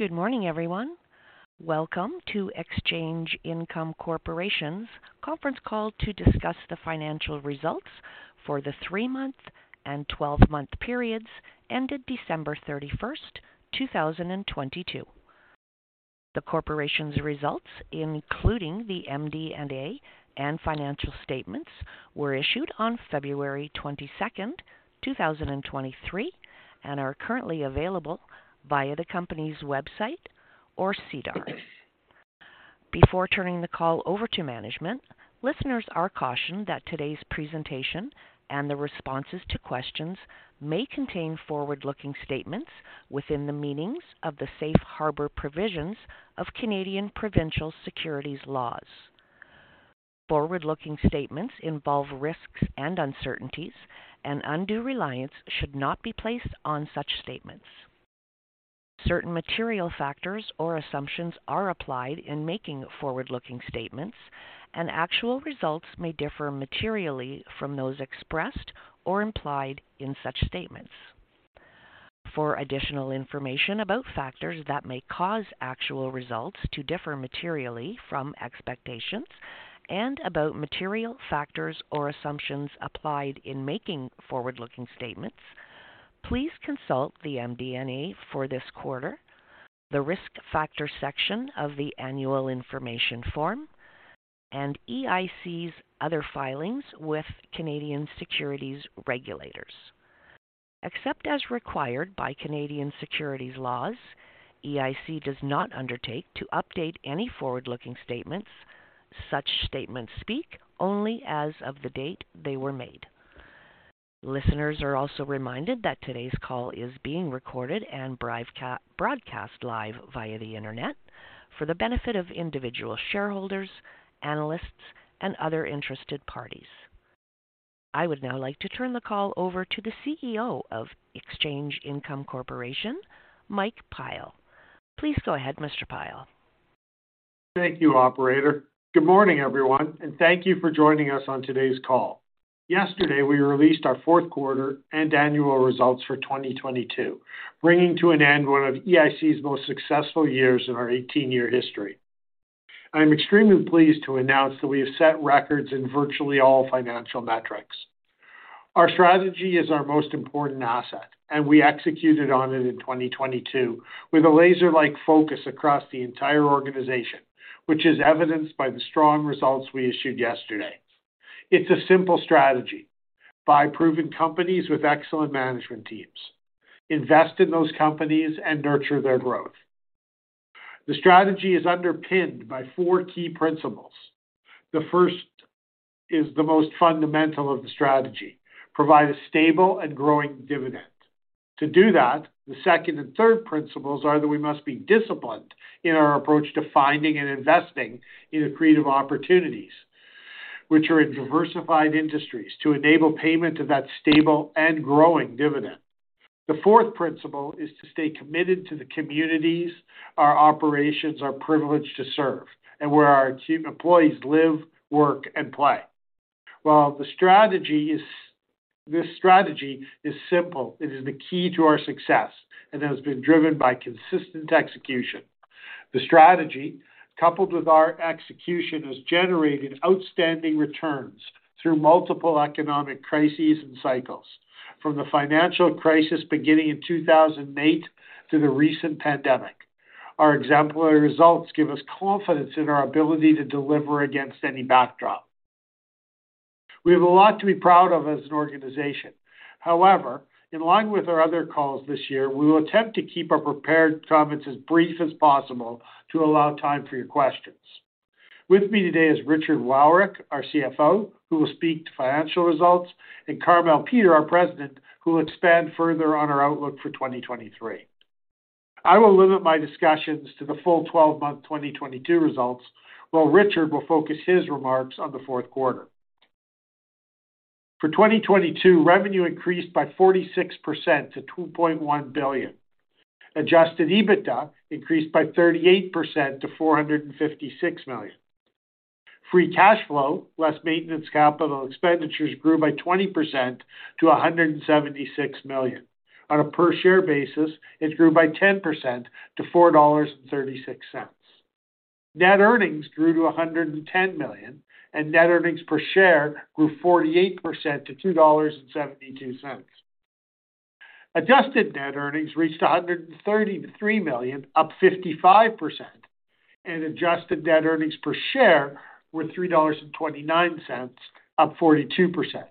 Good morning, everyone. Welcome to Exchange Income Corporation's conference call to discuss the financial results for the three-month and twelve-month periods ended December 31st, 2022. The corporation's results, including the MD&A and financial statements, were issued on February 22nd, 2023, and are currently available via the company's website or SEDAR. Before turning the call over to management, listeners are cautioned that today's presentation and the responses to questions may contain forward-looking statements within the meanings of the safe harbor provisions of Canadian provincial securities laws. Forward-looking statements involve risks and uncertainties, and undue reliance should not be placed on such statements. Certain material factors or assumptions are applied in making forward-looking statements, and actual results may differ materially from those expressed or implied in such statements. For additional information about factors that may cause actual results to differ materially from expectations and about material factors or assumptions applied in making forward-looking statements, please consult the MD&A for this quarter, the Risk Factors section of the Annual Information Form, and EIC's other filings with Canadian securities regulators. Except as required by Canadian securities laws, EIC does not undertake to update any forward-looking statements. Such statements speak only as of the date they were made. Listeners are also reminded that today's call is being recorded and broadcast live via the Internet for the benefit of individual shareholders, analysts, and other interested parties. I would now like to turn the call over to the CEO of Exchange Income Corporation, Mike Pyle. Please go ahead, Mr. Pyle. Thank you, operator. Good morning, everyone, and thank you for joining us on today's call. Yesterday, we released our fourth quarter and annual results for 2022, bringing to an end one of EIC's most successful years in our 18-year history. I'm extremely pleased to announce that we have set records in virtually all financial metrics. Our strategy is our most important asset, and we executed on it in 2022 with a laser-like focus across the entire organization, which is evidenced by the strong results we issued yesterday. It's a simple strategy. Buy proven companies with excellent management teams, invest in those companies and nurture their growth. The strategy is underpinned by four key principles. The first is the most fundamental of the strategy, provide a stable and growing dividend. To do that, the second and third principles are that we must be disciplined in our approach to finding and investing in accretive opportunities which are in diversified industries to enable payment of that stable and growing dividend. The fourth principle is to stay committed to the communities our operations are privileged to serve and where our employees live, work, and play. While this strategy is simple, it is the key to our success and has been driven by consistent execution. The strategy, coupled with our execution, has generated outstanding returns through multiple economic crises and cycles, from the financial crisis beginning in 2008 to the recent pandemic. Our exemplary results give us confidence in our ability to deliver against any backdrop. We have a lot to be proud of as an organization. In line with our other calls this year, we will attempt to keep our prepared comments as brief as possible to allow time for your questions. With me today is Richard Wowryk, our CFO, who will speak to financial results, and Carmele Peter, our president, who will expand further on our outlook for 2023. I will limit my discussions to the full 12-month 2022 results, while Richard will focus his remarks on the fourth quarter. For 2022, revenue increased by 46% to 2.1 billion. Adjusted EBITDA increased by 38% to 456 million. Free cash flow, less maintenance capital expenditures, grew by 20% to 176 million. On a per share basis, it grew by 10% to 4.36 dollars. Net earnings grew to 110 million, Net earnings per share grew 48% to 2.72 dollars. Adjusted net earnings reached 133 million, up 55%. Adjusted net earnings per share were 3.29 dollars, up 42%.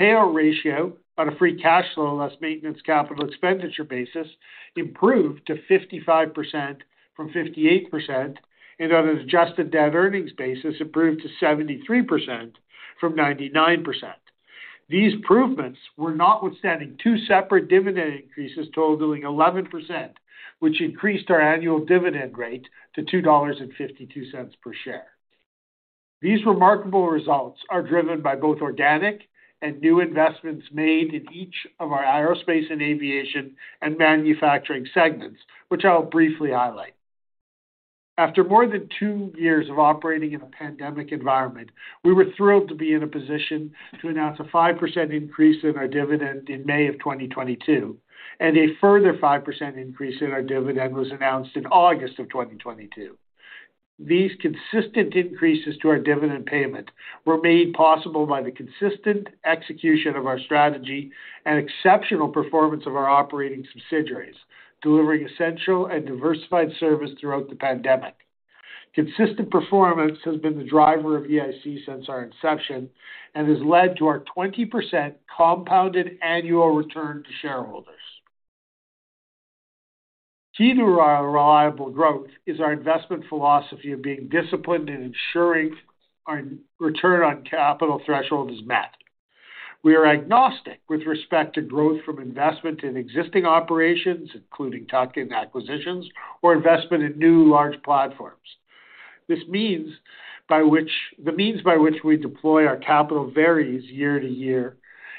Payout ratio on a free cash flow less maintenance capital expenditure basis improved to 55% from 58% and on an adjusted net earnings basis, improved to 73% from 99%. These improvements were notwithstanding two separate dividend increases totaling 11%, which increased our annual dividend rate to 2.52 dollars per share. These remarkable results are driven by both organic and new investments made in each of our aerospace and aviation and manufacturing segments, which I'll briefly highlight. After more than two years of operating in a pandemic environment, we were thrilled to be in a position to announce a 5% increase in our dividend in May of 2022, and a further 5% increase in our dividend was announced in August of 2022. These consistent increases to our dividend payment were made possible by the consistent execution of our strategy and exceptional performance of our operating subsidiaries, delivering essential and diversified service throughout the pandemic. Consistent performance has been the driver of EIC since our inception and has led to our 20% compounded annual return to shareholders. Key to our reliable growth is our investment philosophy of being disciplined in ensuring our return on capital threshold is met. We are agnostic with respect to growth from investment in existing operations, including tuck-in acquisitions or investment in new large platforms. The means by which we deploy our capital varies year to year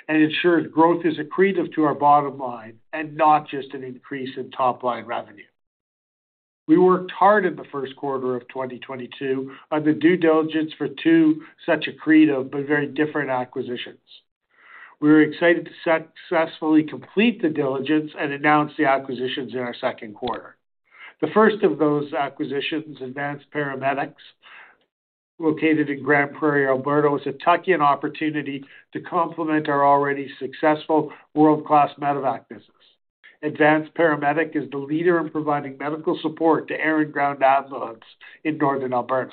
and ensures growth is accretive to our bottom line and not just an increase in top-line revenue. We worked hard in the first quarter of 2022 on the due diligence for two such accretive but very different acquisitions. We were excited to successfully complete the diligence and announce the acquisitions in our second quarter. The first of those acquisitions, Advanced Paramedics, located in Grande Prairie, Alberta, was a tuck-in opportunity to complement our already successful world-class Medevac business. Advanced Paramedic is the leader in providing medical support to air and ground ambulance in Northern Alberta.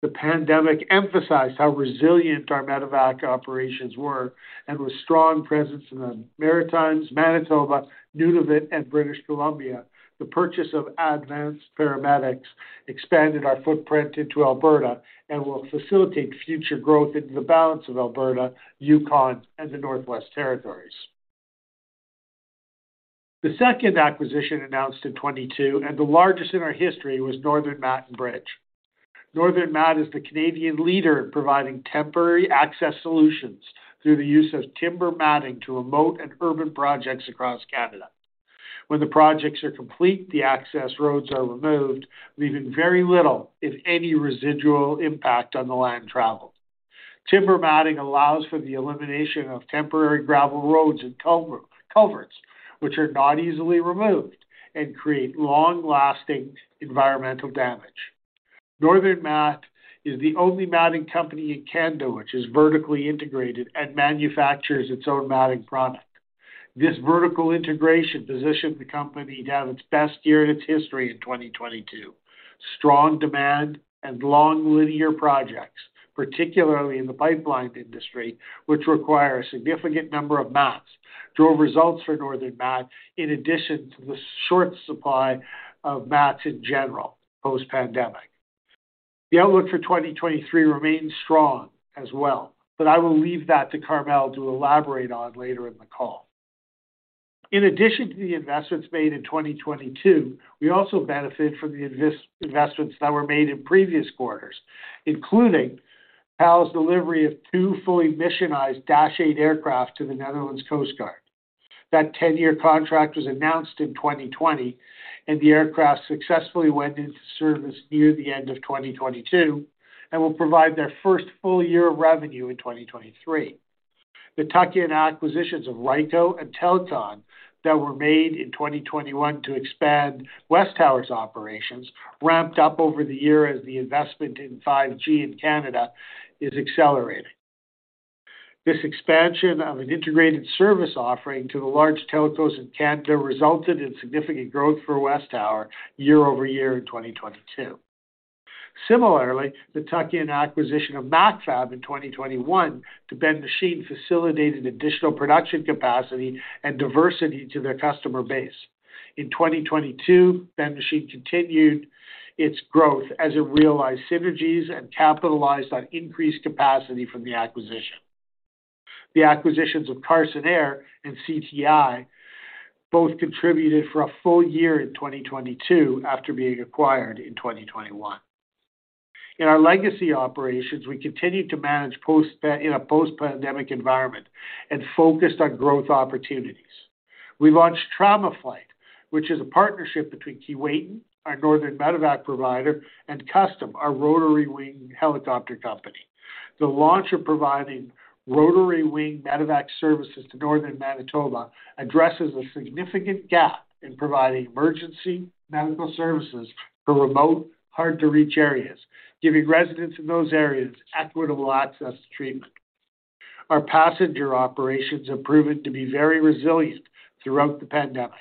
The pandemic emphasized how resilient our Medevac operations were, with strong presence in the Maritimes, Manitoba, Nunavut, and British Columbia. The purchase of Advanced Paramedics expanded our footprint into Alberta and will facilitate future growth into the balance of Alberta, Yukon, and the Northwest Territories. The second acquisition announced in 2022, and the largest in our history, was Northern Mat and Bridge. Northern Mat is the Canadian leader in providing temporary access solutions through the use of timber matting to remote and urban projects across Canada. When the projects are complete, the access roads are removed, leaving very little, if any, residual impact on the land traveled. Timber matting allows for the elimination of temporary gravel roads and culverts, which are not easily removed and create long-lasting environmental damage. Northern Mat is the only matting company in Canada which is vertically integrated and manufactures its own matting product. This vertical integration positioned the company to have its best year in its history in 2022. Strong demand and long linear projects, particularly in the pipeline industry, which require a significant number of mats, drove results for Northern Mat in addition to the short supply of mats in general post-pandemic. The outlook for 2023 remains strong as well, I will leave that to Carmele to elaborate on later in the call. In addition to the investments made in 2022, we also benefited from the investments that were made in previous quarters, including PAL's delivery of two fully missionized Dash 8 aircraft to the Netherlands Coast Guard. That 10-year contract was announced in 2020, and the aircraft successfully went into service near the end of 2022 and will provide their first full year of revenue in 2023. The tuck-in acquisitions of Ryko and Telcon that were made in 2021 to expand WesTower's operations ramped up over the year as the investment in 5G in Canada is accelerating. This expansion of an integrated service offering to the large telcos in Canada resulted in significant growth for WesTower year-over-year in 2022. Similarly, the tuck-in acquisition of Macfab in 2021 to Ben Machine facilitated additional production capacity and diversity to their customer base. In 2022, Ben Machine continued its growth as it realized synergies and capitalized on increased capacity from the acquisition. The acquisitions of Carson Air and CTI both contributed for a full year in 2022 after being acquired in 2021. In our legacy operations, we continued to manage in a post-pandemic environment and focused on growth opportunities. We launched Trauma Flight, which is a partnership between Keewatin, our northern Medevac provider, and Custom, our rotary wing helicopter company. The launch of providing rotary wing Medevac services to northern Manitoba addresses a significant gap in providing emergency medical services for remote, hard-to-reach areas, giving residents in those areas equitable access to treatment. Our passenger operations have proven to be very resilient throughout the pandemic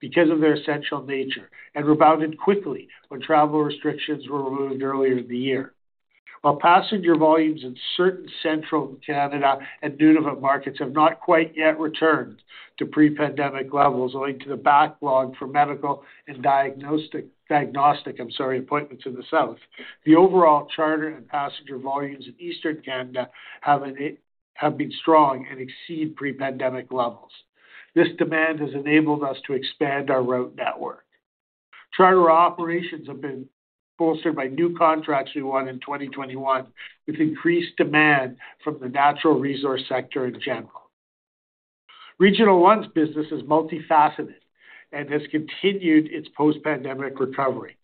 because of their essential nature and rebounded quickly when travel restrictions were removed earlier in the year. While passenger volumes in certain central Canada and Nunavut markets have not quite yet returned to pre-pandemic levels owing to the backlog for medical and diagnostic, I'm sorry, appointments in the South, the overall charter and passenger volumes in Eastern Canada have been strong and exceed pre-pandemic levels. This demand has enabled us to expand our route network. Charter operations have been bolstered by new contracts we won in 2021 with increased demand from the natural resource sector in general. Regional One's business is multifaceted and has continued its post-pandemic recovery.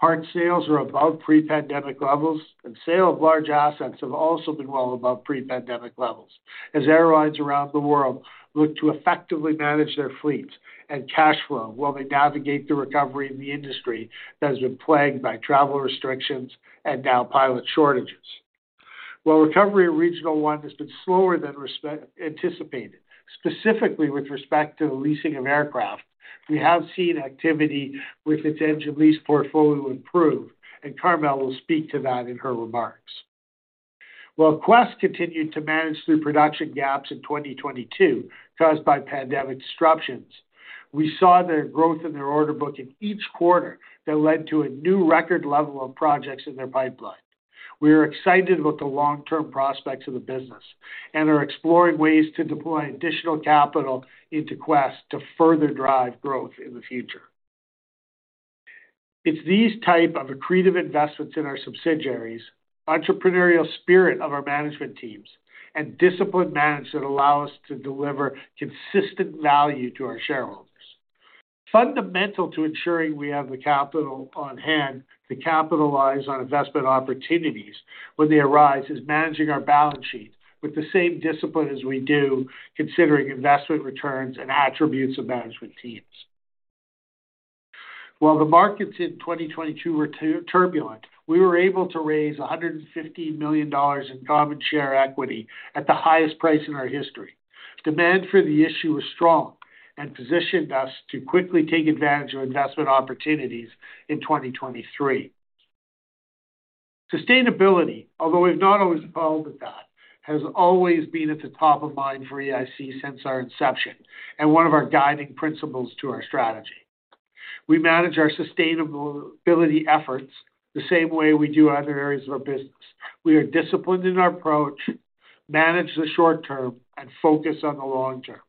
Part sales are above pre-pandemic levels, and sale of large assets have also been well above pre-pandemic levels as airlines around the world look to effectively manage their fleets and cash flow while they navigate the recovery in the industry that has been plagued by travel restrictions and now pilot shortages. While recovery of Regional One has been slower than anticipated, specifically with respect to the leasing of aircraft, we have seen activity with its engine lease portfolio improve, Carmele will speak to that in her remarks. While Quest continued to manage through production gaps in 2022 caused by pandemic disruptions, we saw their growth in their order book in each quarter that led to a new record level of projects in their pipeline. We are excited about the long-term prospects of the business and are exploring ways to deploy additional capital into Quest to further drive growth in the future. It's these type of accretive investments in our subsidiaries, entrepreneurial spirit of our management teams, and disciplined manage that allow us to deliver consistent value to our shareholders. Fundamental to ensuring we have the capital on hand to capitalize on investment opportunities when they arise is managing our balance sheet with the same discipline as we do considering investment returns and attributes of management teams. While the markets in 2022 were turbulent, we were able to raise 150 million dollars in common share equity at the highest price in our history. Demand for the issue was strong and positioned us to quickly take advantage of investment opportunities in 2023. Sustainability, although we've not always been involved with that, has always been at the top of mind for EIC since our inception and one of our guiding principles to our strategy. We manage our sustainability efforts the same way we do other areas of our business. We are disciplined in our approach, manage the short-term, and focus on the long term.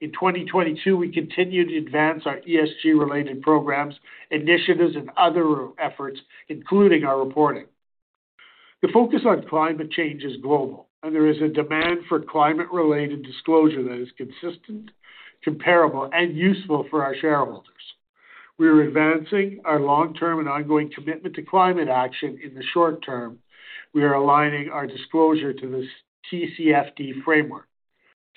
In 2022, we continued to advance our ESG-related programs, initiatives, and other efforts, including our reporting. The focus on climate change is global, and there is a demand for climate-related disclosure that is consistent, comparable, and useful for our shareholders. We are advancing our long-term and ongoing commitment to climate action in the short-term. We are aligning our disclosure to this TCFD framework.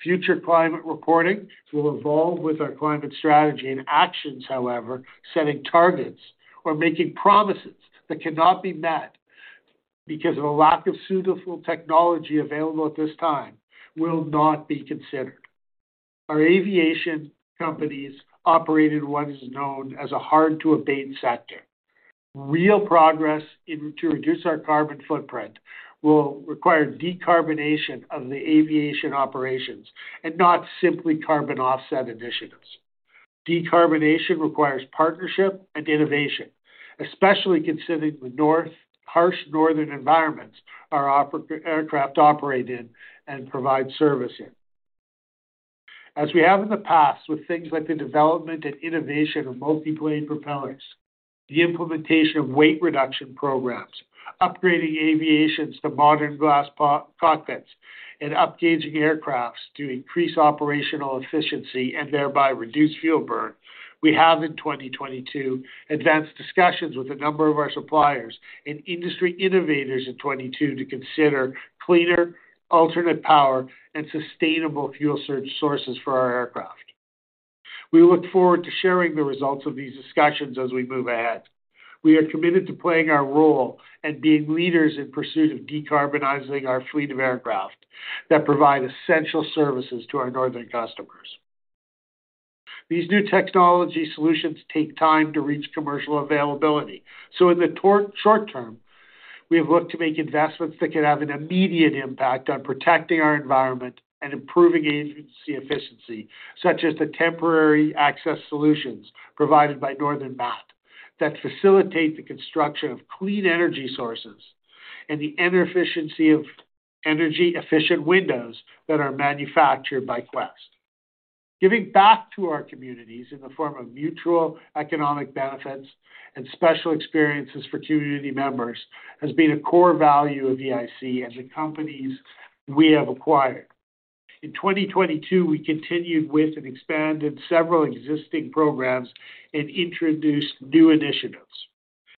Future climate reporting will evolve with our climate strategy and actions, however, setting targets or making promises that cannot be met because of a lack of suitable technology available at this time will not be considered. Our aviation companies operate in what is known as a hard-to-abate sector. Real progress to reduce our carbon footprint will require decarbonation of the aviation operations and not simply carbon offset initiatives. Decarbonation requires partnership and innovation, especially considering the harsh northern environments our aircraft operate in and provide service in. As we have in the past with things like the development and innovation of multi-blade propellers, the implementation of weight reduction programs, upgrading aviations to modern glass cockpits, and upgauging aircrafts to increase operational efficiency and thereby reduce fuel burn, we have in 2022 advanced discussions with a number of our suppliers and industry innovators in 2022 to consider cleaner alternate power and sustainable fuel surge sources for our aircraft. We look forward to sharing the results of these discussions as we move ahead. We are committed to playing our role and being leaders in pursuit of decarbonizing our fleet of aircraft that provide essential services to our northern customers. These new technology solutions take time to reach commercial availability. In the short term, we have looked to make investments that could have an immediate impact on protecting our environment and improving agency efficiency, such as the temporary access solutions provided by Northern Mat that facilitate the construction of clean energy sources and the inner efficiency of energy-efficient windows that are manufactured by Quest. Giving back to our communities in the form of mutual economic benefits and special experiences for community members has been a core value of EIC and the companies we have acquired. In 2022, we continued with and expanded several existing programs and introduced new initiatives.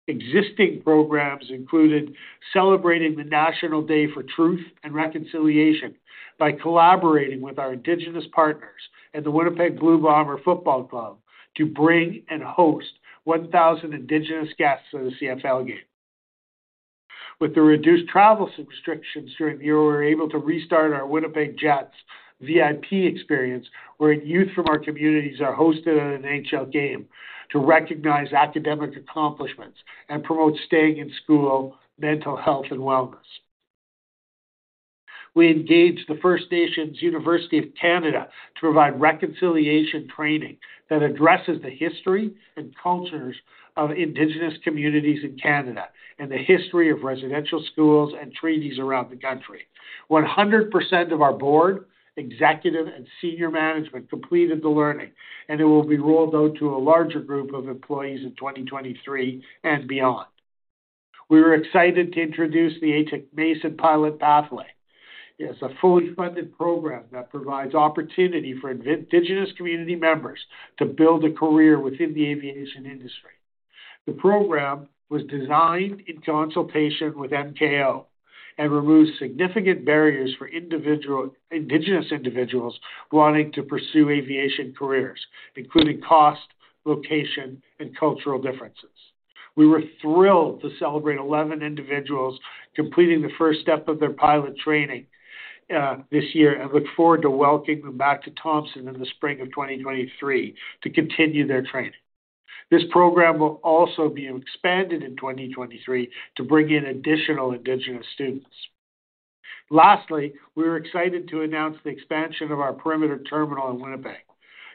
Existing programs included celebrating the National Day for Truth and Reconciliation by collaborating with our Indigenous partners at the Winnipeg Blue Bombers to bring and host 1,000 Indigenous guests to the CFL game. With the reduced travel restrictions during the year, we were able to restart our Winnipeg Jets VIP experience, where youth from our communities are hosted at an NHL game to recognize academic accomplishments and promote staying in school, mental health, and wellness. We engaged the First Nations University of Canada to provide reconciliation training that addresses the history and cultures of Indigenous communities in Canada and the history of residential schools and treaties around the country. 100% of our board, executive, and senior management completed the learning, and it will be rolled out to a larger group of employees in 2023 and beyond. We were excited to introduce the Atik Mason Pilot Pathway. It's a fully funded program that provides opportunity for Indigenous community members to build a career within the aviation industry. The program was designed in consultation with MKO and removes significant barriers for Indigenous individuals wanting to pursue aviation careers, including cost, location, and cultural differences. We were thrilled to celebrate 11 individuals completing the first step of their pilot training this year and look forward to welcoming them back to Thompson in the spring of 2023 to continue their training. This program will also be expanded in 2023 to bring in additional Indigenous students. Lastly, we're excited to announce the expansion of our Perimeter terminal in Winnipeg.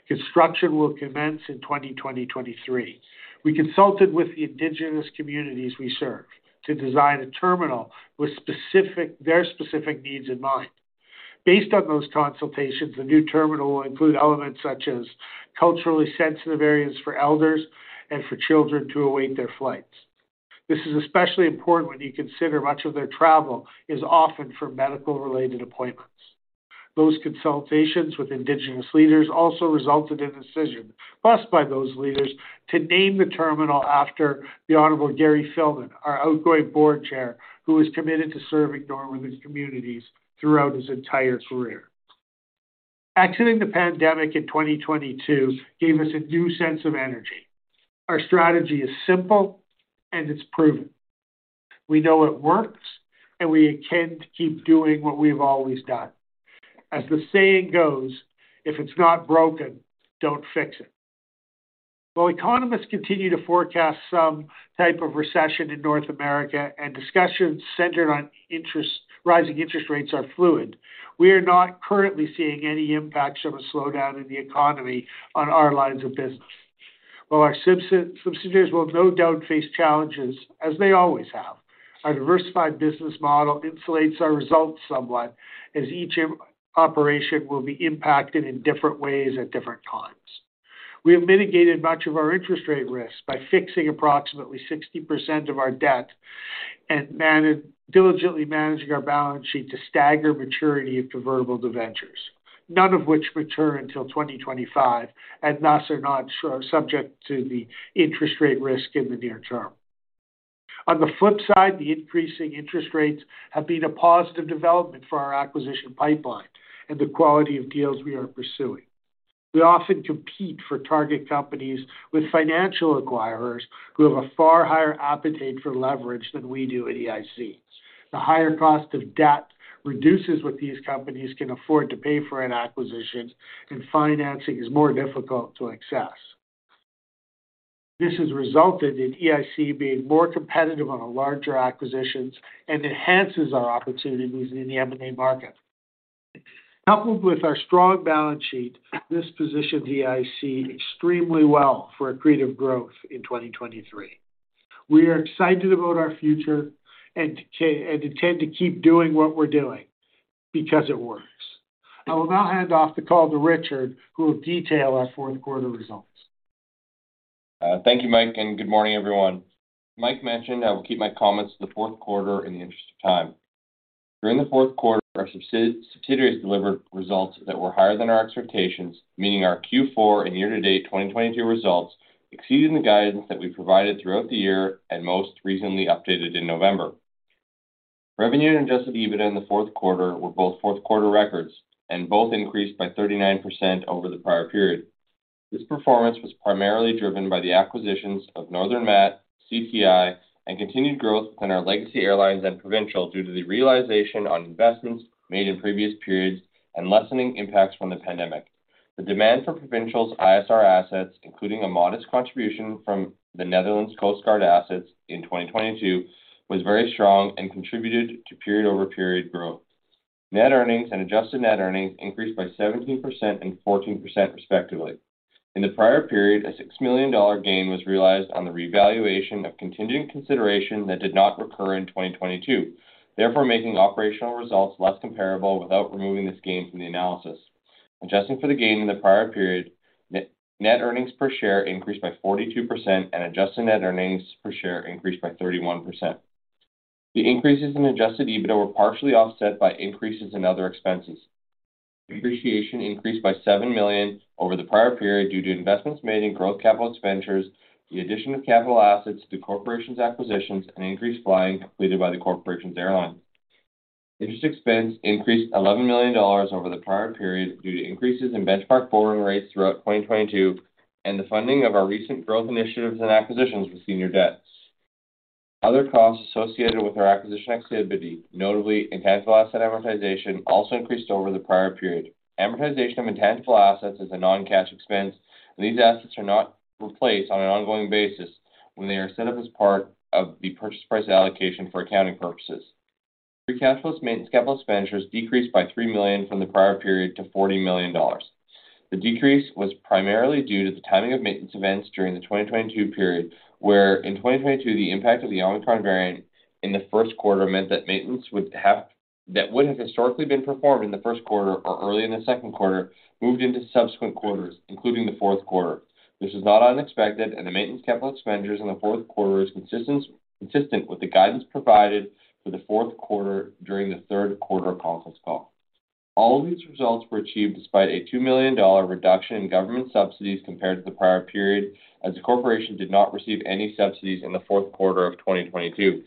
Construction will commence in 2023. We consulted with the Indigenous communities we serve to design a terminal with their specific needs in mind. Based on those consultations, the new terminal will include elements such as culturally sensitive areas for elders and for children to await their flights. This is especially important when you consider much of their travel is often for medical-related appointments. Those consultations with Indigenous leaders also resulted in a decision, blessed by those leaders, to name the terminal after the Honorable Gary Filmon, our outgoing Board Chair, who was committed to serving northern communities throughout his entire career. Exiting the pandemic in 2022 gave us a new sense of energy. Our strategy is simple, and it's proven. We know it works, and we intend to keep doing what we've always done. As the saying goes, if it's not broken, don't fix it. While economists continue to forecast some type of recession in North America and discussions centered on rising interest rates are fluid, we are not currently seeing any impacts of a slowdown in the economy on our lines of business. While our subsidiaries will no doubt face challenges, as they always have, our diversified business model insulates our results somewhat, as each operation will be impacted in different ways at different times. We have mitigated much of our interest rate risk by fixing approximately 60% of our debt and diligently managing our balance sheet to stagger maturity of convertible debentures, none of which mature until 2025 and thus are not subject to the interest rate risk in the near term. The increasing interest rates have been a positive development for our acquisition pipeline and the quality of deals we are pursuing. We often compete for target companies with financial acquirers who have a far higher appetite for leverage than we do at EIC. The higher cost of debt reduces what these companies can afford to pay for an acquisition, and financing is more difficult to access. This has resulted in EIC being more competitive on larger acquisitions and enhances our opportunities in the M&A market. Coupled with our strong balance sheet, this positions EIC extremely well for accretive growth in 2023. We are excited about our future and intend to keep doing what we're doing because it works. I will now hand off the call to Richard, who will detail our fourth quarter results. Thank you, Mike, and good morning, everyone. Mike mentioned I will keep my comments to the fourth quarter in the interest of time. During the fourth quarter, our subsidiaries delivered results that were higher than our expectations, meaning our Q4 and year-to-date 2022 results exceeded the guidance that we provided throughout the year and most recently updated in November. Revenue and adjusted EBITDA in the fourth quarter were both fourth-quarter records and both increased by 39% over the prior period. This performance was primarily driven by the acquisitions of Northern Mat, CPI, and continued growth within our legacy airlines and Provincial due to the realization on investments made in previous periods and lessening impacts from the pandemic. The demand for Provincial's ISR assets, including a modest contribution from the Netherlands Coast Guard assets in 2022, was very strong and contributed to period-over-period growth. Net earnings and adjusted net earnings increased by 17% and 14%, respectively. In the prior period, a 6 million dollar gain was realized on the revaluation of contingent consideration that did not recur in 2022, therefore making operational results less comparable without removing this gain from the analysis. Adjusting for the gain in the prior period, net earnings per share increased by 42% and adjusted net earnings per share increased by 31%. The increases in adjusted EBITDA were partially offset by increases in other expenses. Depreciation increased by 7 million over the prior period due to investments made in growth capital expenditures, the addition of capital assets through Corporation's acquisitions, and increased flying completed by the Corporation's airlines. Interest expense increased $11 million over the prior period due to increases in benchmark borrowing rates throughout 2022 and the funding of our recent growth initiatives and acquisitions with senior debts. Other costs associated with our acquisition activity, notably intangible asset amortization, also increased over the prior period. Amortization of intangible assets is a non-cash expense, these assets are not replaced on an ongoing basis when they are set up as part of the purchase price allocation for accounting purposes. Free cash flow's main capital expenditures decreased by $3 million from the prior period to $40 million. The decrease was primarily due to the timing of maintenance events during the 2022 period, where in 2022, the impact of the Omicron variant in the first quarter meant that maintenance would have historically been performed in the first quarter or early in the second quarter, moved into subsequent quarters, including the fourth quarter. This is not unexpected, and the maintenance capital expenditures in the fourth quarter is consistent with the guidance provided for the fourth quarter during the third quarter conference call. All of these results were achieved despite a 2 million dollar reduction in government subsidies compared to the prior period, as the corporation did not receive any subsidies in the fourth quarter of 2022.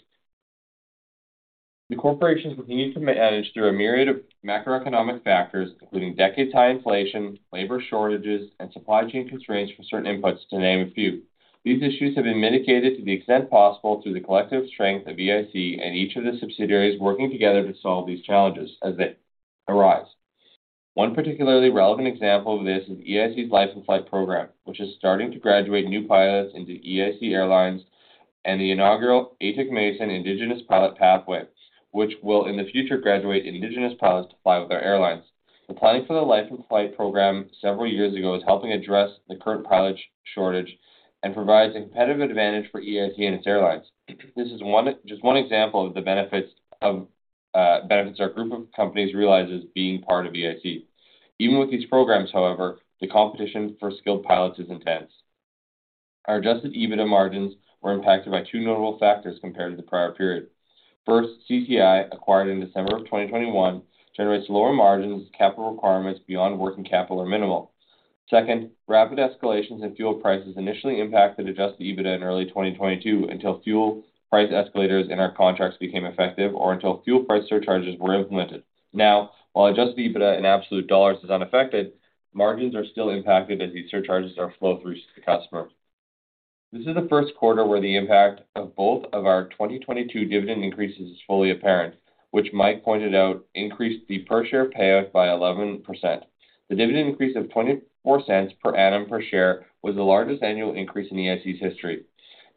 The corporations continued to manage through a myriad of macroeconomic factors, including decade-high inflation, labor shortages, and supply chain constraints for certain inputs, to name a few. These issues have been mitigated to the extent possible through the collective strength of EIC and each of the subsidiaries working together to solve these challenges as they arise. One particularly relevant example of this is EIC's License Life program, which is starting to graduate new pilots into EIC Airlines and the inaugural Atik Mason Indigenous Pilot Pathway, which will in the future graduate Indigenous pilots to fly with our airlines. The planning for the License Life program several years ago is helping address the current pilot shortage and provides a competitive advantage for EIC and its airlines. This is just one example of the benefits of benefits our group of companies realizes being part of EIC. Even with these programs, however, the competition for skilled pilots is intense. Our adjusted EBITDA margins were impacted by two notable factors compared to the prior period. First, CTI, acquired in December of 2021, generates lower margins as capital requirements beyond working capital are minimal. Second, rapid escalations in fuel prices initially impacted adjusted EBITDA in early 2022 until fuel price escalators in our contracts became effective or until fuel price surcharges were implemented. While adjusted EBITDA in absolute dollars is unaffected, margins are still impacted as these surcharges are flow-through to the customer. This is the first quarter where the impact of both of our 2022 dividend increases is fully apparent, which Mike pointed out increased the per-share payout by 11%. The dividend increase of 0.24 per annum per share was the largest annual increase in EIC's history.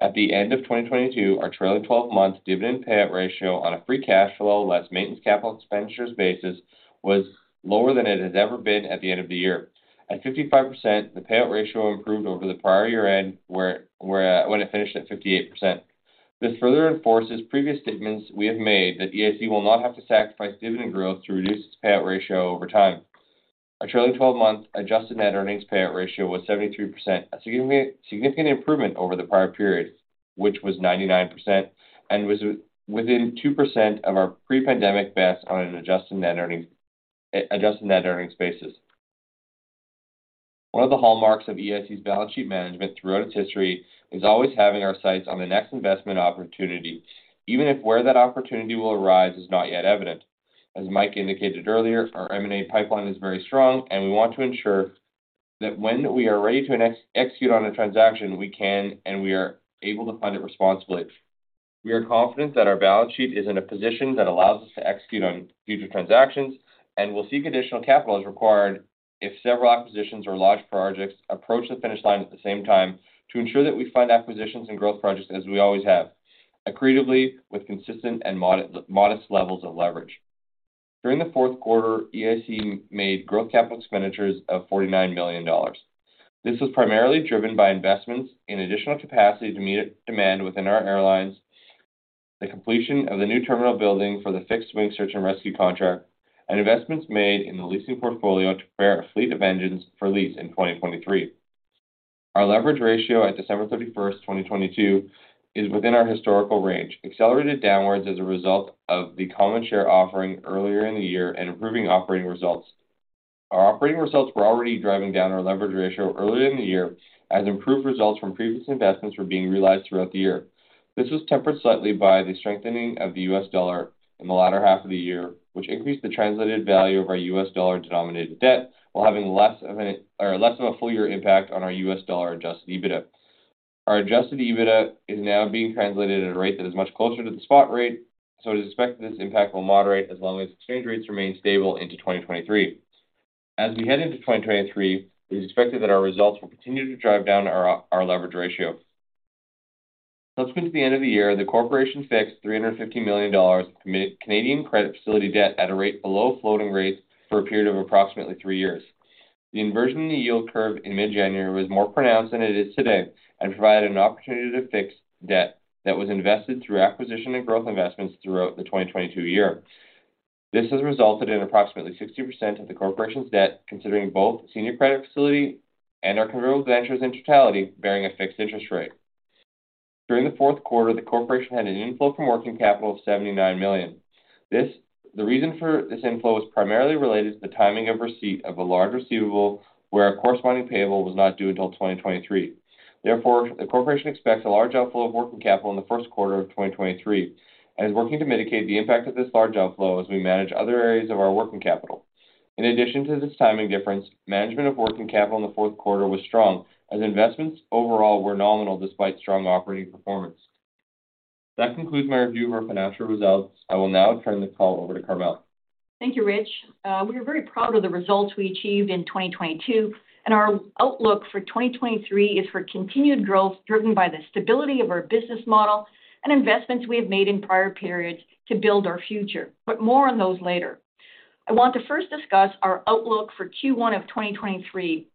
At the end of 2022, our trailing 12-month dividend payout ratio on a free cash flow less maintenance capital expenditures basis was lower than it has ever been at the end of the year. At 55%, the payout ratio improved over the prior year-end when it finished at 58%. This further enforces previous statements we have made that EIC will not have to sacrifice dividend growth to reduce its payout ratio over time. Our trailing 12-month adjusted net earnings payout ratio was 73%, a significant improvement over the prior period, which was 99% and was within 2% of our pre-pandemic best on an adjusted net earnings basis. One of the hallmarks of EIC's balance sheet management throughout its history is always having our sights on the next investment opportunity, even if where that opportunity will arise is not yet evident. As Mike indicated earlier, our M&A pipeline is very strong, we want to ensure that when we are ready to execute on a transaction, we can and we are able to fund it responsibly. We are confident that our balance sheet is in a position that allows us to execute on future transactions, we'll seek additional capital as required if several acquisitions or large projects approach the finish line at the same time to ensure that we fund acquisitions and growth projects as we always have, accretively with consistent and modest levels of leverage. During the fourth quarter, EIC made growth capital expenditures of 49 million dollars. This was primarily driven by investments in additional capacity to meet demand within our airlines, the completion of the new terminal building for the Fixed-Wing Search and Rescue contract, and investments made in the leasing portfolio to prepare a fleet of engines for lease in 2023. Our leverage ratio at December 31st, 2022 is within our historical range, accelerated downwards as a result of the common share offering earlier in the year and improving operating results. Our operating results were already driving down our leverage ratio earlier in the year as improved results from previous investments were being realized throughout the year. This was tempered slightly by the strengthening of the US dollar in the latter half of the year, which increased the translated value of our U.S. dollar-denominated debt while having less of a full year impact on our U.S. dollar-adjusted EBITDA. Our adjusted EBITDA is now being translated at a rate that is much closer to the spot rate, so it is expected this impact will moderate as long as exchange rates remain stable into 2023. As we head into 2023, it is expected that our results will continue to drive down our leverage ratio. Close into the end of the year, the corporation fixed 350 million dollars of Canadian credit facility debt at a rate below floating rates for a period of approximately three years. The inversion in the yield curve in mid-January was more pronounced than it is today and provided an opportunity to fix debt that was invested through acquisition and growth investments throughout the 2022 year. This has resulted in approximately 60% of the corporation's debt, considering both senior credit facility and our convertible ventures in totality, bearing a fixed interest rate. During the fourth quarter, the corporation had an inflow from working capital of 79 million. The reason for this inflow is primarily related to the timing of receipt of a large receivable where a corresponding payable was not due until 2023. The corporation expects a large outflow of working capital in the first quarter of 2023 and is working to mitigate the impact of this large outflow as we manage other areas of our working capital. In addition to this timing difference, management of working capital in the fourth quarter was strong as investments overall were nominal despite strong operating performance. That concludes my review of our financial results. I will now turn the call over to Carmele. Thank you, Rich. We are very proud of the results we achieved in 2022, our outlook for 2023 is for continued growth driven by the stability of our business model and investments we have made in prior periods to build our future. More on those later. I want to first discuss our outlook for Q1 of 2023.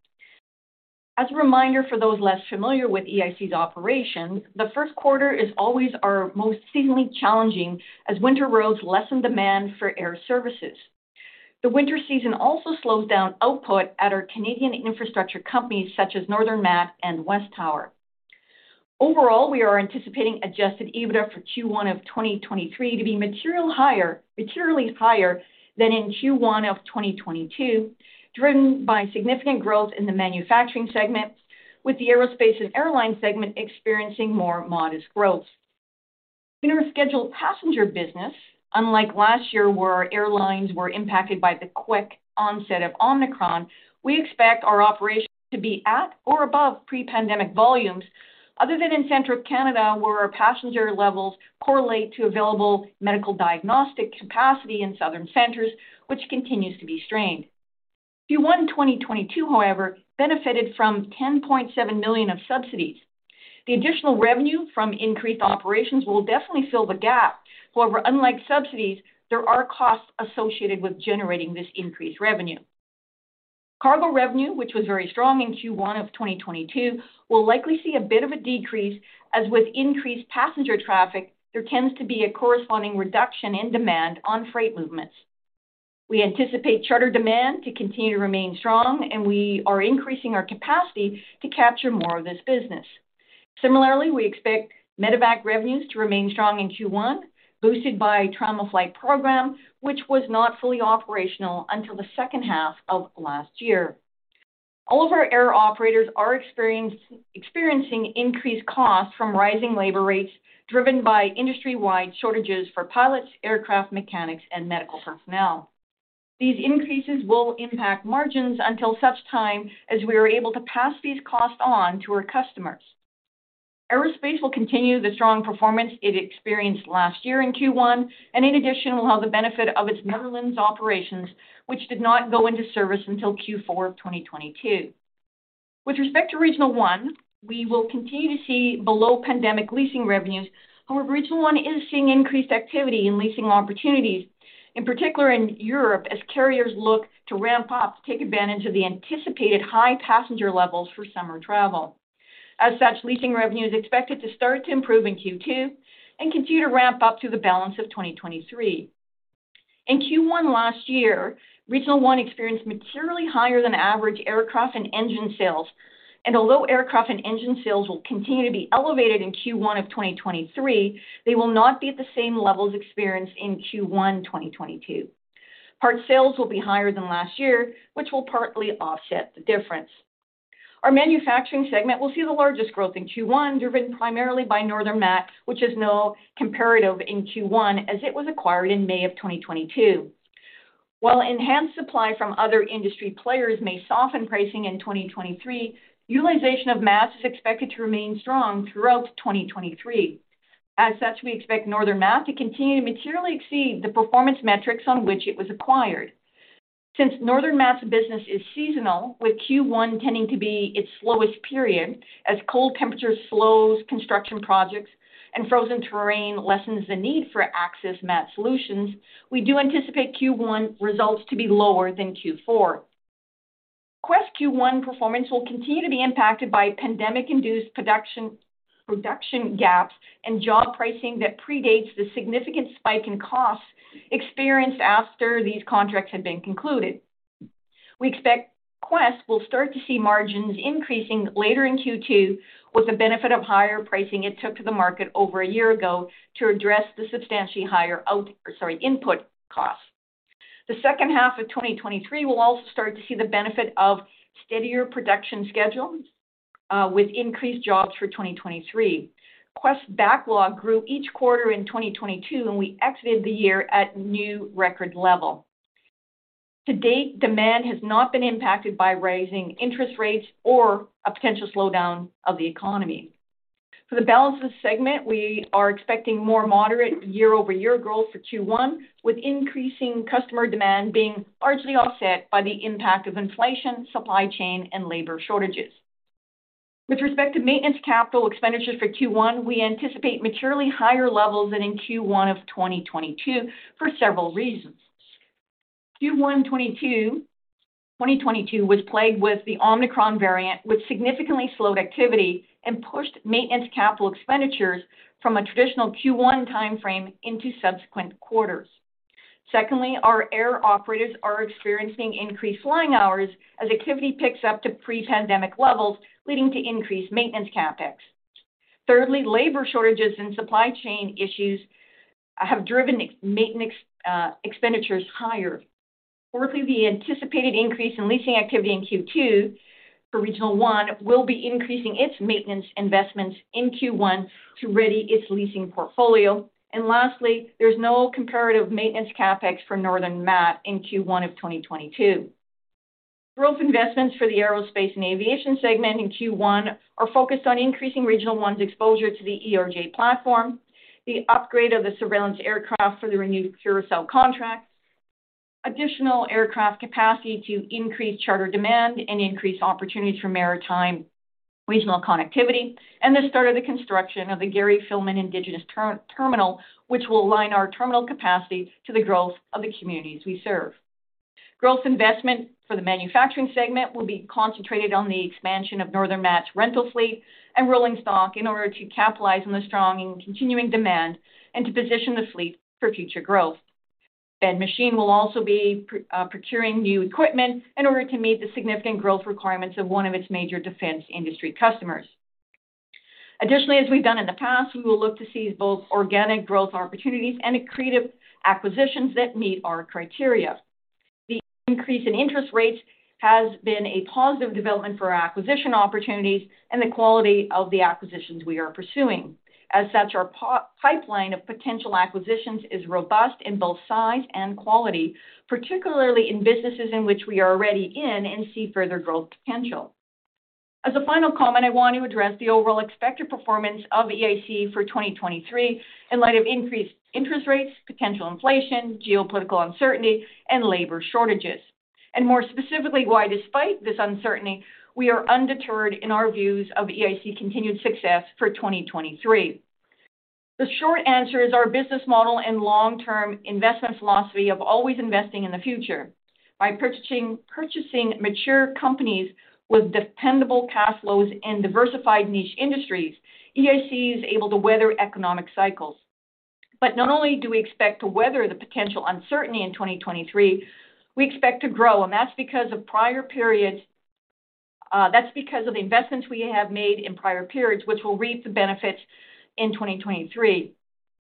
As a reminder for those less familiar with EIC's operation, the first quarter is always our most seasonally challenging as winter roads lessen demand for air services. The winter season also slows down output at our Canadian infrastructure companies such as Northern Mat and WesTower. Overall, we are anticipating adjusted EBITDA for Q1 of 2023 to be materially higher than in Q1 of 2022, driven by significant growth in the manufacturing segment, with the aerospace and airline segment experiencing more modest growth. In our scheduled passenger business, unlike last year where our airlines were impacted by the quick onset of Omicron, we expect our operations to be at or above pre-pandemic volumes, other than in central Canada, where our passenger levels correlate to available medical diagnostic capacity in southern centers, which continues to be strained. Q1 in 2022, however, benefited from 10.7 million of subsidies. The additional revenue from increased operations will definitely fill the gap. However, unlike subsidies, there are costs associated with generating this increased revenue. Cargo revenue, which was very strong in Q1 of 2022, will likely see a bit of a decrease as with increased passenger traffic, there tends to be a corresponding reduction in demand on freight movements. We anticipate charter demand to continue to remain strong, and we are increasing our capacity to capture more of this business. Similarly, we expect Medevac revenues to remain strong in Q1, boosted by Trauma Flight Program, which was not fully operational until the second half of last year. All of our air operators are experiencing increased costs from rising labor rates driven by industry-wide shortages for pilots, aircraft mechanics, and medical personnel. These increases will impact margins until such time as we are able to pass these costs on to our customers. Aerospace will continue the strong performance it experienced last year in Q1, and in addition will have the benefit of its Netherlands operations, which did not go into service until Q4 of 2022. With respect to Regional One, we will continue to see below-pandemic leasing revenues. However, Regional One is seeing increased activity in leasing opportunities, in particular in Europe, as carriers look to ramp up to take advantage of the anticipated high passenger levels for summer travel. As such, leasing revenue is expected to start to improve in Q2 and continue to ramp up through the balance of 2023. In Q1 last year, Regional One experienced materially higher-than-average aircraft and engine sales. Although aircraft and engine sales will continue to be elevated in Q1 of 2023, they will not be at the same levels experienced in Q1 2022. Part sales will be higher than last year, which will partly offset the difference. Our manufacturing segment will see the largest growth in Q1, driven primarily by Northern Mat, which has no comparative in Q1 as it was acquired in May of 2022. While enhanced supply from other industry players may soften pricing in 2023, utilization of mats is expected to remain strong throughout 2023. As such, we expect Northern Mat to continue to materially exceed the performance metrics on which it was acquired. Since Northern Mat's business is seasonal, with Q1 tending to be its slowest period as cold temperatures slows construction projects and frozen terrain lessens the need for access mat solutions, we do anticipate Q1 results to be lower than Q4. Quest Q1 performance will continue to be impacted by pandemic-induced production gaps and job pricing that predates the significant spike in costs experienced after these contracts had been concluded. We expect Quest will start to see margins increasing later in Q2 with the benefit of higher pricing it took to the market over a year ago to address the substantially higher out, sorry, input costs. The second half of 2023 will also start to see the benefit of steadier production schedules, with increased jobs for 2023. Quest Window Systems backlog grew each quarter in 2022, we exited the year at new record level. To date, demand has not been impacted by rising interest rates or a potential slowdown of the economy. For the balance of the segment, we are expecting more moderate year-over-year growth for Q1, with increasing customer demand being largely offset by the impact of inflation, supply chain, and labor shortages. With respect to maintenance CapEx for Q1, we anticipate materially higher levels than in Q1 of 2022 for several reasons. Q1 2022 was plagued with the Omicron variant, which significantly slowed activity and pushed maintenance CapEx from a traditional Q1 timeframe into subsequent quarters. Secondly, our air operators are experiencing increased flying hours as activity picks up to pre-pandemic levels, leading to increased maintenance CapEx. Thirdly, labor shortages and supply chain issues have driven maintenance expenditures higher. Fourthly, the anticipated increase in leasing activity in Q2 for Regional One will be increasing its maintenance investments in Q1 to ready its leasing portfolio. Lastly, there's no comparative maintenance CapEx for Northern Mat in Q1 of 2022. Growth investments for the aerospace and aviation segment in Q1 are focused on increasing Regional One's exposure to the ERJ platform, the upgrade of the surveillance aircraft for the renewed Curaçao contract, additional aircraft capacity to increase charter demand and increase opportunities for maritime regional connectivity and the start of the construction of the Gary Filmon Indigenous Terminal, which will align our terminal capacity to the growth of the communities we serve. Growth investment for the manufacturing segment will be concentrated on the expansion of Northern Mat's rental fleet and rolling stock in order to capitalize on the strong and continuing demand and to position the fleet for future growth. Ben Machine will also be procuring new equipment in order to meet the significant growth requirements of one of its major defense industry customers. Additionally, as we've done in the past, we will look to seize both organic growth opportunities and accretive acquisitions that meet our criteria. The increase in interest rates has been a positive development for our acquisition opportunities and the quality of the acquisitions we are pursuing. As such, our pipeline of potential acquisitions is robust in both size and quality, particularly in businesses in which we are already in and see further growth potential. As a final comment, I want to address the overall expected performance of EIC for 2023 in light of increased interest rates, potential inflation, geopolitical uncertainty and labor shortages. More specifically, why despite this uncertainty, we are undeterred in our views of EIC's continued success for 2023. The short answer is our business model and long-term investment philosophy of always investing in the future. By purchasing mature companies with dependable cash flows in diversified niche industries, EIC is able to weather economic cycles. Not only do we expect to weather the potential uncertainty in 2023, we expect to grow, and that's because of the investments we have made in prior periods, which will reap the benefits in 2023.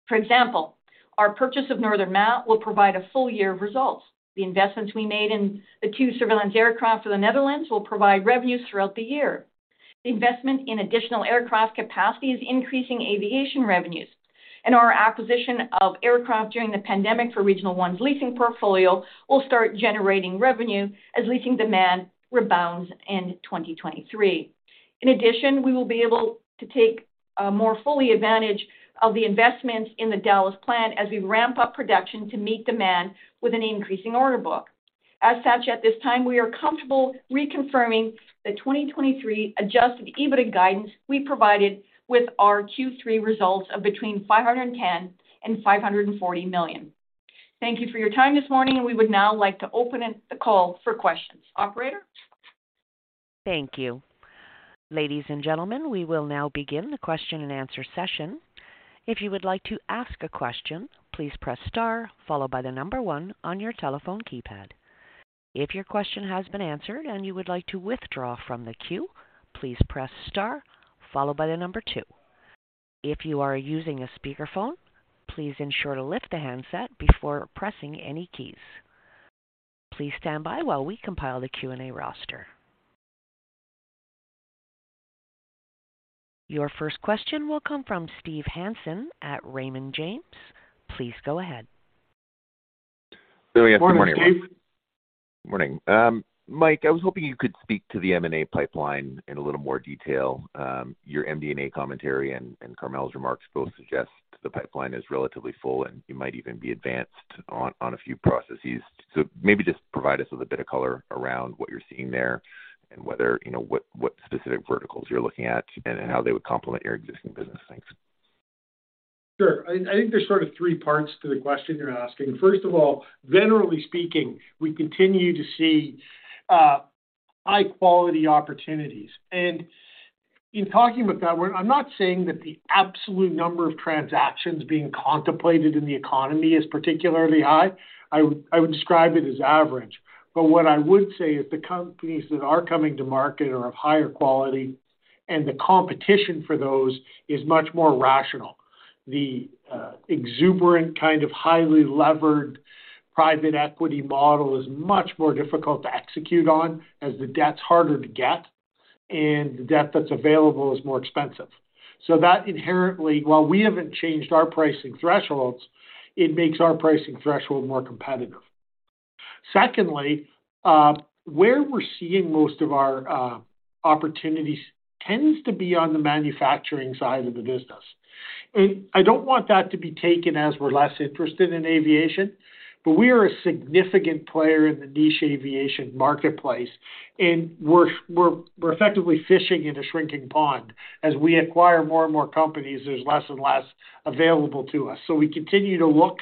For example, our purchase of Northern Mat will provide a full year of results. The investments we made in the two surveillance aircraft for the Netherlands will provide revenues throughout the year. The investment in additional aircraft capacity is increasing aviation revenues. Our acquisition of aircraft during the pandemic for Regional One's leasing portfolio will start generating revenue as leasing demand rebounds in 2023. In addition, we will be able to take more fully advantage of the investments in the Dallas plant as we ramp up production to meet demand with an increasing order book. As such, at this time, we are comfortable reconfirming the 2023 adjusted EBIT guidance we provided with our Q3 results of between 510 million and 540 million. Thank you for your time this morning, and we would now like to open the call for questions. Operator? Thank you. Ladies and gentlemen, we will now begin the question-and-answer session. If you would like to ask a question, please press star followed by one on your telephone keypad. If your question has been answered and you would like to withdraw from the queue, please press star followed by two. If you are using a speakerphone, please ensure to lift the handset before pressing any keys. Please stand by while we compile the Q&A roster. Your first question will come from Steve Hansen at Raymond James. Please go ahead. Morning, Steve. Morning. Mike, I was hoping you could speak to the M&A pipeline in a little more detail. Your MD&A commentary and Carmel's remarks both suggest the pipeline is relatively full, and you might even be advanced on a few processes. Maybe just provide us with a bit of color around what you're seeing there and whether, you know, what specific verticals you're looking at and how they would complement your existing business. Thanks. Sure. I think there's sort of three parts to the question you're asking. First of all, generally speaking, we continue to see high-quality opportunities. In talking about that, I'm not saying that the absolute number of transactions being contemplated in the economy is particularly high. I would describe it as average. What I would say is the companies that are coming to market are of higher quality, and the competition for those is much more rational. The exuberant kind of highly levered private equity model is much more difficult to execute on as the debt's harder to get, and the debt that's available is more expensive. That inherently, while we haven't changed our pricing thresholds, it makes our pricing threshold more competitive. Secondly, where we're seeing most of our opportunities tends to be on the manufacturing side of the business. I don't want that to be taken as we're less interested in aviation, but we are a significant player in the niche aviation marketplace, and we're effectively fishing in a shrinking pond. As we acquire more and more companies, there's less and less available to us. We continue to look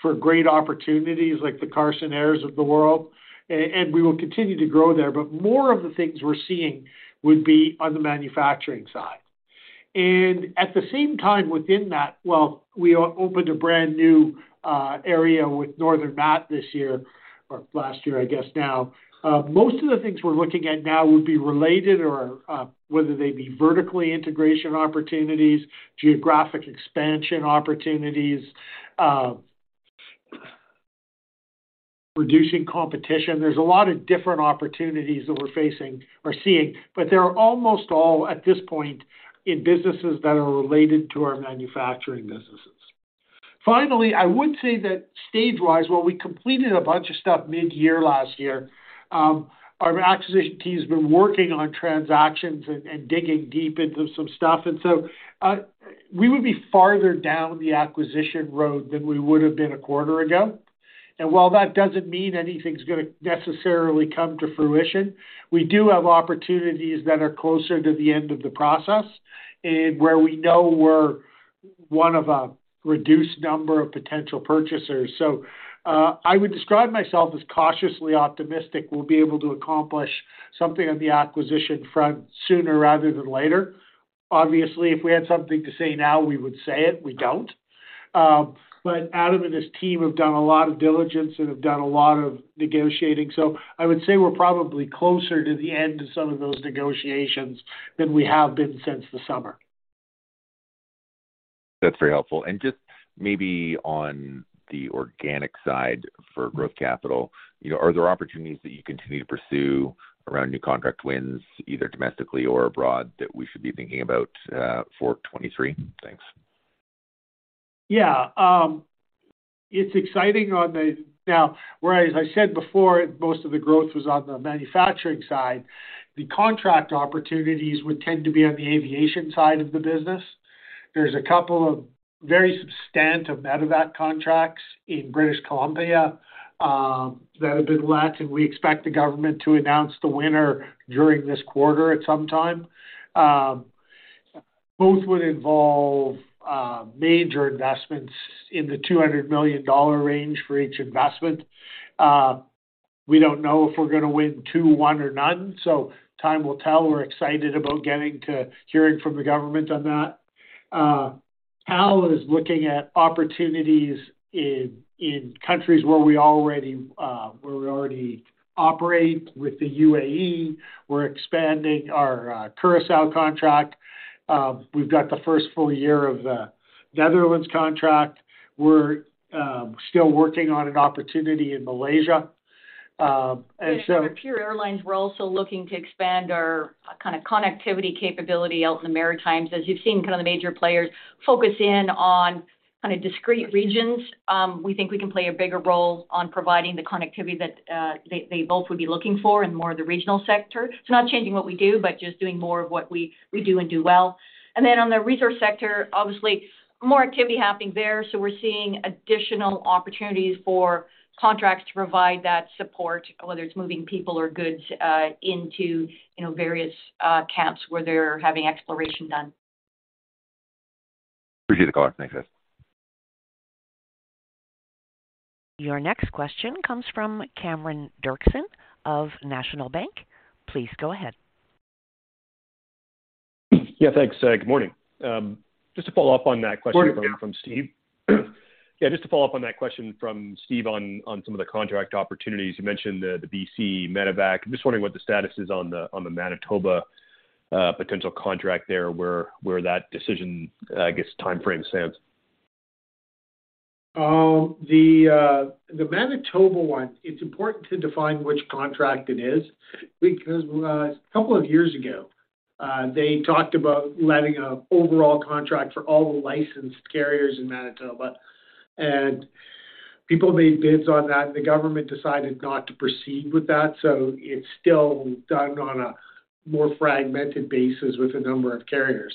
for great opportunities like the Carson Airs of the world, and we will continue to grow there. More of the things we're seeing would be on the manufacturing side. At the same time within that, well, we opened a brand new area with Northern Mat this year, or last year I guess now. Most of the things we're looking at now would be related or, whether they be vertically integration opportunities, geographic expansion opportunities, reducing competition. There's a lot of different opportunities that we're facing or seeing, but they're almost all at this point in businesses that are related to our manufacturing businesses. Finally, I would say that stage-wise, while we completed a bunch of stuff mid-year last year, our acquisition team's been working on transactions and digging deep into some stuff. We would be farther down the acquisition road than we would have been a quarter ago. While that doesn't mean anything's gonna necessarily come to fruition, we do have opportunities that are closer to the end of the process and where we know we're one of a reduced number of potential purchasers. I would describe myself as cautiously optimistic we'll be able to accomplish something on the acquisition front sooner rather than later. Obviously, if we had something to say now, we would say it. We don't. Adam and his team have done a lot of diligence and have done a lot of negotiating. I would say we're probably closer to the end of some of those negotiations than we have been since the summer. That's very helpful. Just maybe on the organic side for growth capital, you know, are there opportunities that you continue to pursue around new contract wins, either domestically or abroad, that we should be thinking about for 2023? Thanks. Yeah. It's exciting. Whereas I said before, most of the growth was on the manufacturing side, the contract opportunities would tend to be on the aviation side of the business. There's a couple of very substantive medevac contracts in British Columbia that have been let. We expect the government to announce the winner during this quarter at some time. Both would involve major investments in the $200 million range for each investment. We don't know if we're gonna win two, one, or none. Time will tell. We're excited about getting to hearing from the government on that. Hal is looking at opportunities in countries where we already operate. With the UAE, we're expanding our Curaçao contract. We've got the first full year of the Netherlands contract. We're still working on an opportunity in Malaysia. Yeah, with pure airlines, we're also looking to expand our kind of connectivity capability out in the Maritimes. As you've seen kind of the major players focus in on kind of discrete regions. we think we can play a bigger role on providing the connectivity that they both would be looking for in more of the regional sector. not changing what we do, but just doing more of what we do and do well. on the resource sector, obviously more activity happening there. we're seeing additional opportunities for contracts to provide that support, whether it's moving people or goods, into, you know, various camps where they're having exploration done. Appreciate the call. Thanks, guys. Your next question comes from Cameron Doerksen of National Bank. Please go ahead. Yeah, thanks. Good morning. Just to follow up on that question from Steve. Good morning, Cameron. Yeah, just to follow up on that question from Steve on some of the contract opportunities. You mentioned the BC medevac. I'm just wondering what the status is on the, on the Manitoba, potential contract there, where that decision, I guess, timeframe stands. The Manitoba one, it's important to define which contract it is because a couple of years ago, they talked about letting an overall contract for all the licensed carriers in Manitoba, and people made bids on that, and the government decided not to proceed with that. It's still done on a more fragmented basis with a number of carriers.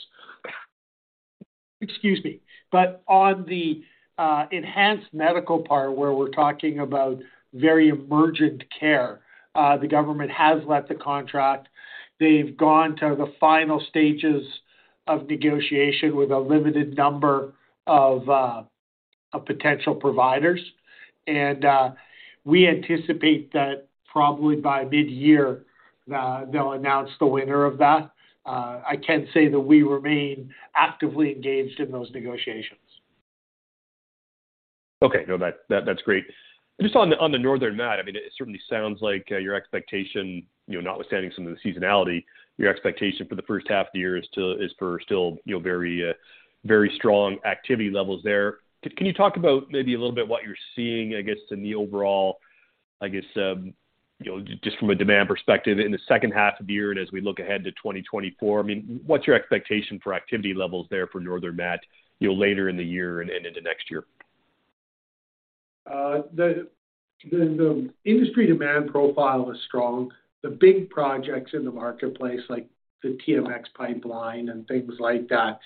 Excuse me. On the enhanced medical part, where we're talking about very emergent care, the government has let the contract. They've gone to the final stages of negotiation with a limited number of potential providers. We anticipate that probably by mid-year, they'll announce the winner of that. I can say that we remain actively engaged in those negotiations. Okay. No, that's great. Just on the Northern Mat, I mean, it certainly sounds like your expectation, you know, notwithstanding some of the seasonality, your expectation for the first half of the year is for still, you know, very strong activity levels there. Can you talk about maybe a little bit what you're seeing, I guess, in the overall, I guess, you know, just from a demand perspective in the second half of the year and as we look ahead to 2024? I mean, what's your expectation for activity levels there for Northern Mat, you know, later in the year and into next year? The industry demand profile is strong. The big projects in the marketplace, like the TMX pipeline and things like that,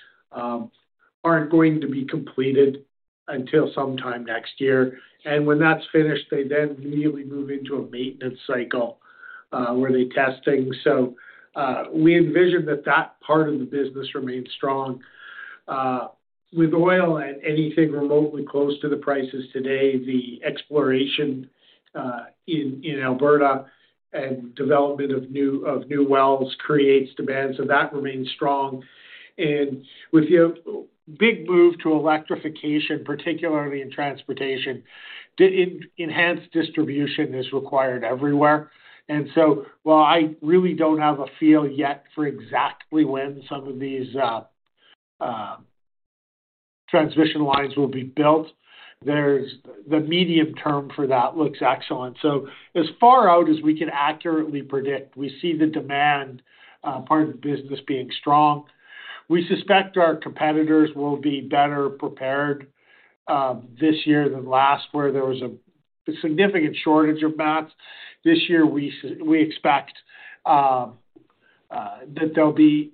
aren't going to be completed until sometime next year. When that's finished, they then immediately move into a maintenance cycle, where they test things. We envision that that part of the business remains strong. With oil at anything remotely close to the prices today, the exploration in Alberta and development of new wells creates demand, so that remains strong. With the big move to electrification, particularly in transportation, the enhanced distribution is required everywhere. While I really don't have a feel yet for exactly when some of these transmission lines will be built, the medium term for that looks excellent. As far out as we can accurately predict, we see the demand part of the business being strong. We suspect our competitors will be better prepared this year than last, where there was a significant shortage of mats this year, we expect that there'll be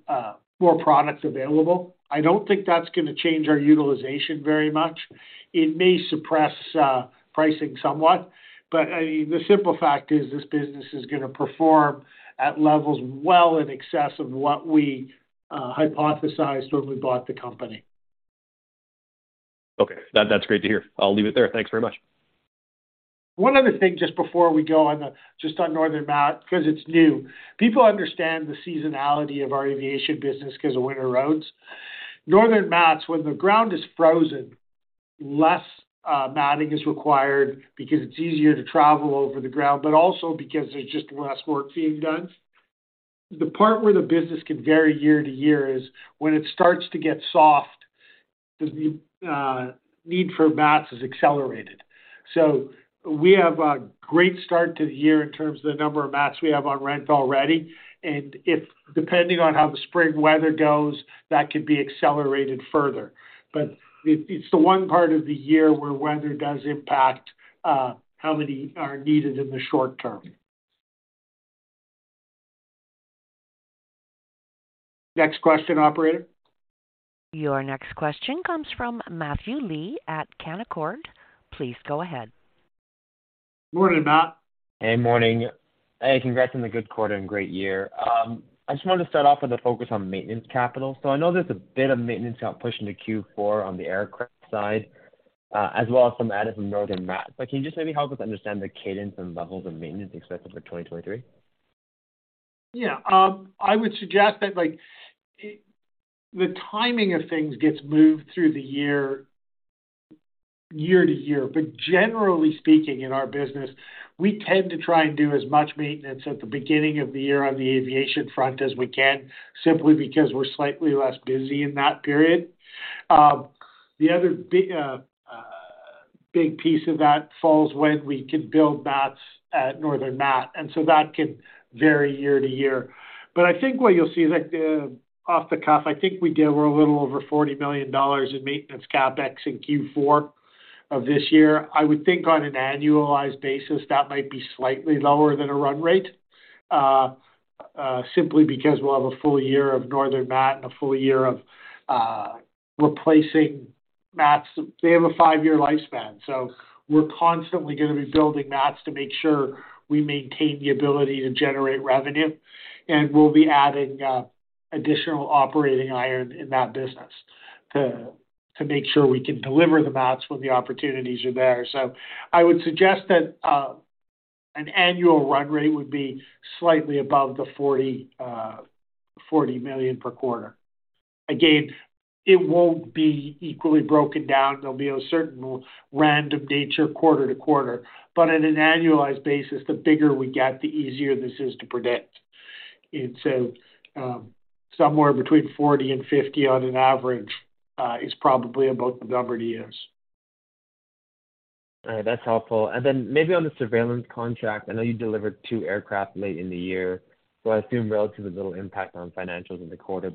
more products available. I don't think that's gonna change our utilization very much. It may suppress pricing somewhat, but the simple fact is this business is gonna perform at levels well in excess of what we hypothesized when we bought the company. Okay. That's great to hear. I'll leave it there. Thanks very much. One other thing just before we go on Northern Mat because it's new. People understand the seasonality of our aviation business 'cause of winter roads. Northern Mats, when the ground is frozen, less matting is required because it's easier to travel over the ground, but also because there's just less work being done. The part where the business can vary year to year is when it starts to get soft, the need for mats is accelerated. We have a great start to the year in terms of the number of mats we have on rent already, depending on how the spring weather goes, that could be accelerated further. It's the one part of the year where weather does impact how many are needed in the short-term. Next question, operator. Your next question comes from Matthew Lee at Canaccord. Please go ahead. Morning, Matt. Hey, morning. Hey, congrats on the good quarter and great year. I just wanted to start off with a focus on maintenance capital. I know there's a bit of maintenance cap pushed into Q4 on the aircraft side, as well as some added from Northern Mat. Can you just maybe help us understand the cadence and levels of maintenance expenses for 2023? Yeah. I would suggest that, like, the timing of things gets moved through the year to year. Generally speaking, in our business, we tend to try and do as much maintenance at the beginning of the year on the aviation front as we can, simply because we're slightly less busy in that period. The other big piece of that falls when we can build mats at Northern Mat, that can vary year to year. I think what you'll see is like, off the cuff, I think we did a little over 40 million dollars in maintenance CapEx in Q4 of this year. I would think on an annualized basis, that might be slightly lower than a run rate, simply because we'll have a full year of Northern Mat and a full year of replacing mats. They have a 5-year lifespan, so we're constantly gonna be building mats to make sure we maintain the ability to generate revenue. We'll be adding additional operating iron in that business to make sure we can deliver the mats when the opportunities are there. I would suggest that an annual run rate would be slightly above the 40 million per quarter. Again, it won't be equally broken down. There'll be a certain random nature quarter to quarter. On an annualized basis, the bigger we get, the easier this is to predict. Somewhere between 40 million and 50 million on an average is probably about the government years. All right. That's helpful. Then maybe on the surveillance contract, I know you delivered two aircraft late in the year, so I assume relatively little impact on financials in the quarter.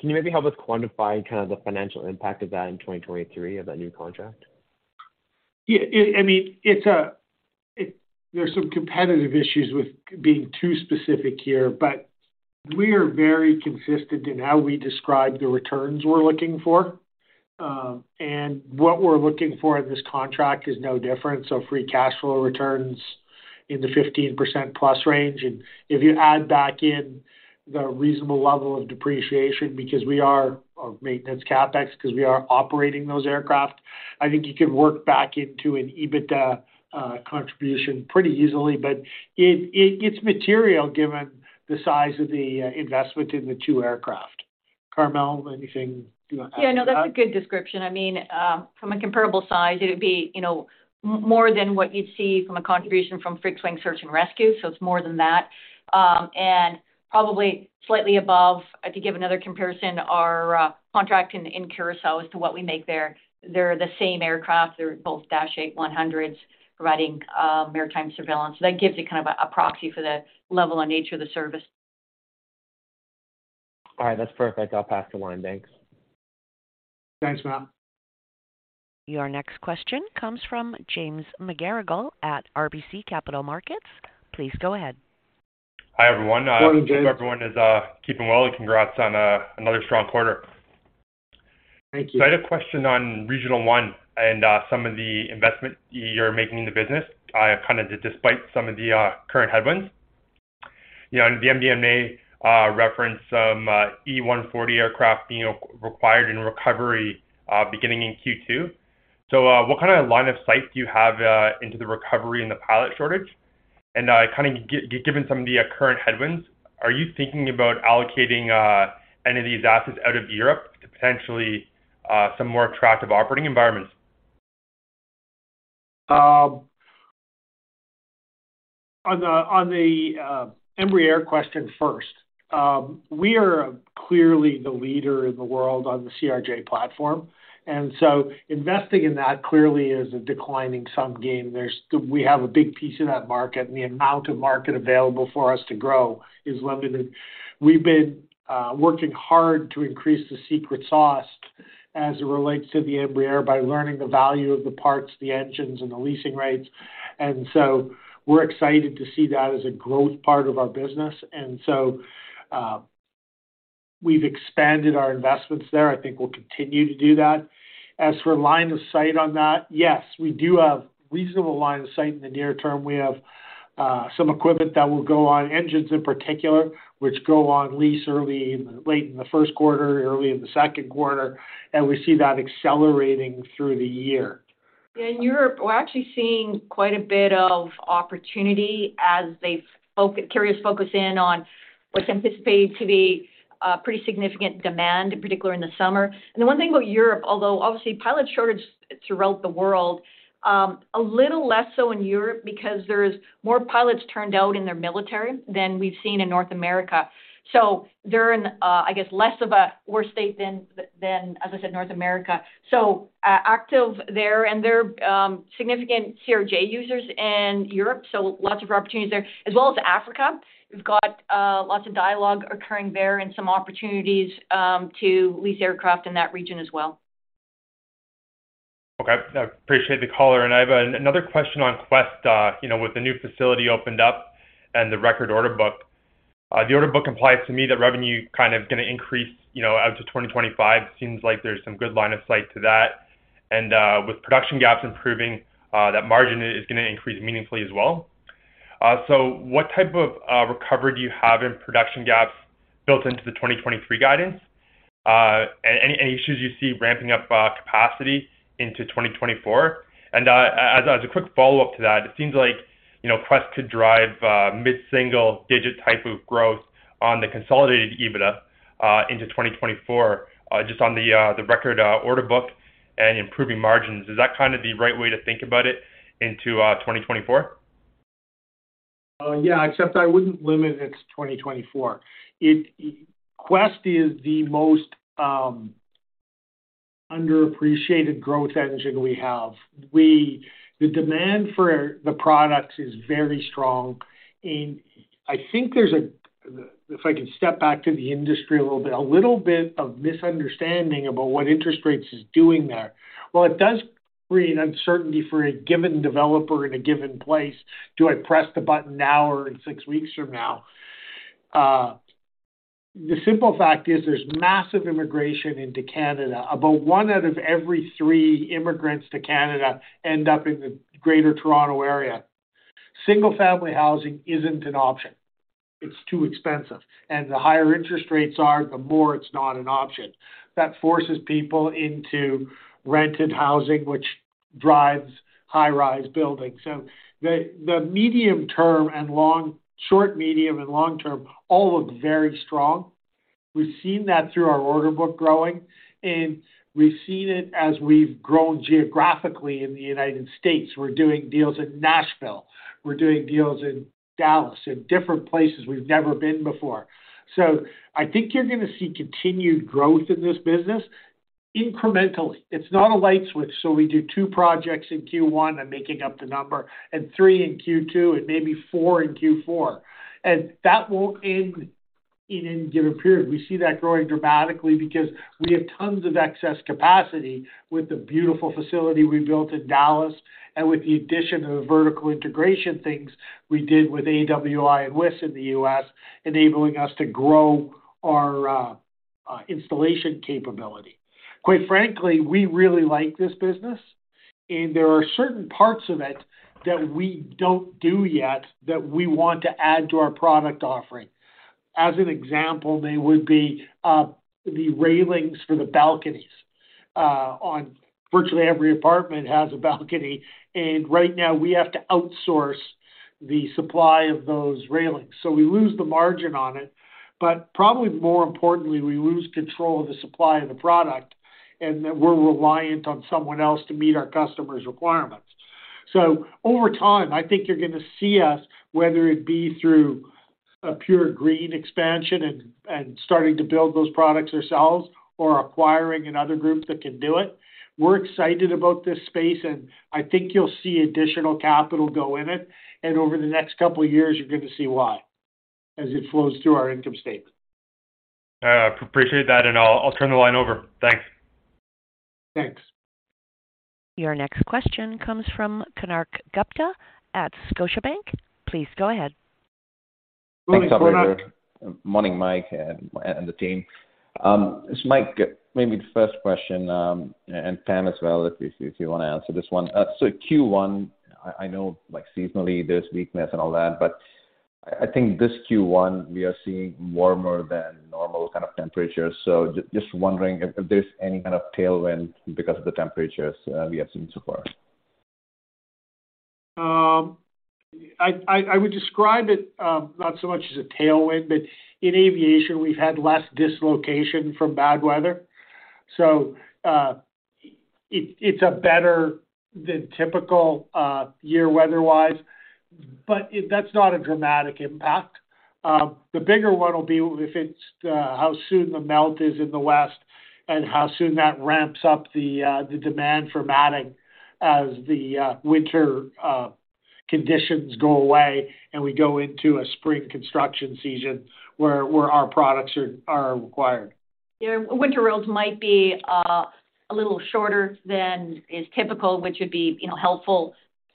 Can you maybe help us quantify kind of the financial impact of that in 2023 of that new contract? Yeah. I mean, there's some competitive issues with being too specific here, but we are very consistent in how we describe the returns we're looking for. What we're looking for in this contract is no different. Free cash flow returns in the 15% plus range. If you add back in the reasonable level of depreciation, maintenance CapEx because we are operating those aircraft, I think you can work back into an EBITDA contribution pretty easily. It, it's material given the size of the investment in the two aircraft. Carmel, anything you want to add to that? Yeah, no, that's a good description. I mean, from a comparable size, it would be, you know, more than what you'd see from a contribution from Fixed-Wing Search and Rescue. It's more than that. Probably slightly above, to give another comparison, our contract in Curaçao as to what we make there. They're the same aircraft. They're both Dash 8-100s providing maritime surveillance. That gives you kind of a proxy for the level and nature of the service. All right. That's perfect. I'll pass the line. Thanks. Thanks, Matt. Your next question comes from James McGarragle at RBC Capital Markets. Please go ahead. Hi, everyone. Morning, James. Hope everyone is, keeping well, and congrats on, another strong quarter. Thank you. I had a question on Regional One and some of the investment you're making in the business, kind of despite some of the current headwinds. You know, in the MD&A, reference some ERJ 140 aircraft being required in recovery, beginning in Q2. What kind of line of sight do you have into the recovery and the pilot shortage? Kind of given some of the current headwinds, are you thinking about allocating any of these assets out of Europe to potentially some more attractive operating environments? On the Embraer question first. We are clearly the leader in the world on the CRJ platform, and so investing in that clearly is a declining sum game. We have a big piece in that market, and the amount of market available for us to grow is limited. We've been working hard to increase the secret sauce as it relates to the Embraer by learning the value of the parts, the engines, and the leasing rates. We're excited to see that as a growth part of our business. We've expanded our investments there. I think we'll continue to do that. As for line of sight on that, yes, we do have reasonable line of sight in the near term. We have some equipment that will go on engines in particular, which go on lease late in the first quarter, early in the second quarter. We see that accelerating through the year. In Europe, we're actually seeing quite a bit of opportunity as they carriers focus in on what's anticipated to be pretty significant demand, in particular in the summer. The one thing about Europe, although obviously pilot shortage throughout the world, a little less so in Europe because there's more pilots turned out in their military than we've seen in North America. They're in, I guess less of a worse state than, as I said, North America. Active there, and they're significant CRJ users in Europe, so lots of opportunities there, as well as Africa. We've got lots of dialogue occurring there and some opportunities to lease aircraft in that region as well. Okay. I appreciate the color. I have another question on Quest. You know, with the new facility opened up and the record order book, the order book implies to me that revenue kind of gonna increase, you know, out to 2025. Seems like there's some good line of sight to that. With production gaps improving, that margin is gonna increase meaningfully as well. So what type of recovery do you have in production gaps built into the 2023 guidance? Any issues you see ramping up capacity into 2024? As a quick follow-up to that, it seems like, you know, Quest could drive mid-single digit type of growth on the consolidated EBITDA into 2024, just on the record order book and improving margins. Is that kind of the right way to think about it into, 2024? Yeah, except I wouldn't limit it to 2024. Quest is the most underappreciated growth engine we have. The demand for the products is very strong. I think there's a, if I can step back to the industry a little bit, a little bit of misunderstanding about what interest rates is doing there. While it does create uncertainty for a given developer in a given place, do I press the button now or in six weeks from now? The simple fact is there's massive immigration into Canada. About one out of every three immigrants to Canada end up in the Greater Toronto area. Single-family housing isn't an option. It's too expensive. The higher interest rates are, the more it's not an option. That forces people into rented housing, which drives high-rise buildings. The medium term and short, medium, and long term all look very strong. We've seen that through our order book growing, and we've seen it as we've grown geographically in the United States. We're doing deals in Nashville, we're doing deals in Dallas, in different places we've never been before. I think you're gonna see continued growth in this business incrementally. It's not a light switch, so we do two projects in Q1, I'm making up the number, and three in Q2, and maybe four in Q4. That won't end in any given period. We see that growing dramatically because we have tons of excess capacity with the beautiful facility we built in Dallas and with the addition of the vertical integration things we did with AWI and WIS in the U.S., enabling us to grow our installation capability. Quite frankly, we really like this business, and there are certain parts of it that we don't do yet that we want to add to our product offering. As an example, they would be the railings for the balconies. On virtually every apartment has a balcony, and right now we have to outsource the supply of those railings. We lose the margin on it, but probably more importantly, we lose control of the supply of the product, and that we're reliant on someone else to meet our customers' requirements. Over time, I think you're gonna see us, whether it be through a pure green expansion and starting to build those products ourselves or acquiring another group that can do it. We're excited about this space, and I think you'll see additional capital go in it. Over the next couple of years, you're gonna see why as it flows through our income statement. Appreciate that, and I'll turn the line over. Thanks. Thanks. Your next question comes from Konark Gupta at Scotiabank. Please go ahead. Thanks, operator. Morning, Mike and the team. Mike, maybe the first question, and Carmele as well, if you, if you wanna answer this one. Q1, I know, like seasonally there's weakness and all that, but I think this Q1 we are seeing warmer than normal kind of temperatures. just wondering if there's any kind of tailwind because of the temperatures we have seen so far. I would describe it, not so much as a tailwind, but in aviation we've had less dislocation from bad weather, it's a better than typical year weather-wise, but that's not a dramatic impact. The bigger one will be if it's how soon the melt is in the west and how soon that ramps up the demand for matting as the winter conditions go away, and we go into a spring construction season where our products are required. Yeah. Winter roads might be a little shorter than is typical, which would be, you know, helpful,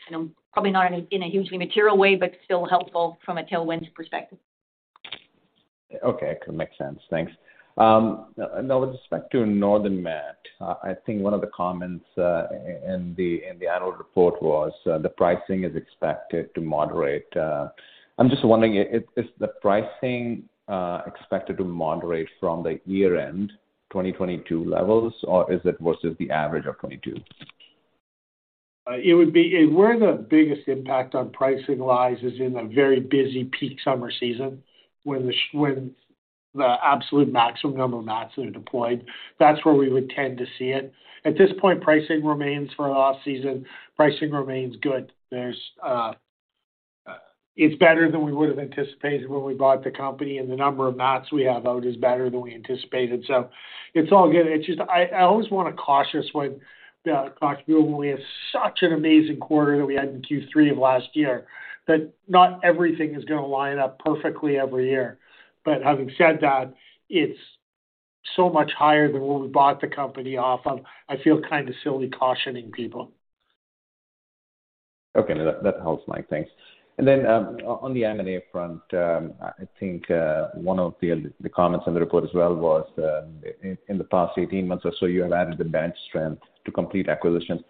you know, probably not in a, in a hugely material way. Still helpful from a tailwind perspective. Okay. Makes sense. Thanks. Now with respect to Northern Mat, I think one of the comments in the annual report was the pricing is expected to moderate. I'm just wondering is the pricing expected to moderate from the year-end 2022 levels, or is it versus the average of 2022? It would be... Where the biggest impact on pricing lies is in a very busy peak summer season, when the absolute maximum number of mats are deployed. That's where we would tend to see it. At this point, pricing remains for off-season, pricing remains good. There's, it's better than we would've anticipated when we bought the company, and the number of mats we have out is better than we anticipated. It's all good. It's just I always wanna cautious when talk to you when we have such an amazing quarter that we had in Q3 of last year, that not everything is gonna line up perfectly every year. Having said that, it's so much higher than what we bought the company off of. I feel kinda silly cautioning people. Okay. That helps, Mike. Thanks. Then, on the M&A front, I think one of the comments on the report as well was, in the past 18 months or so you have added the bench strength to complete acquisitions.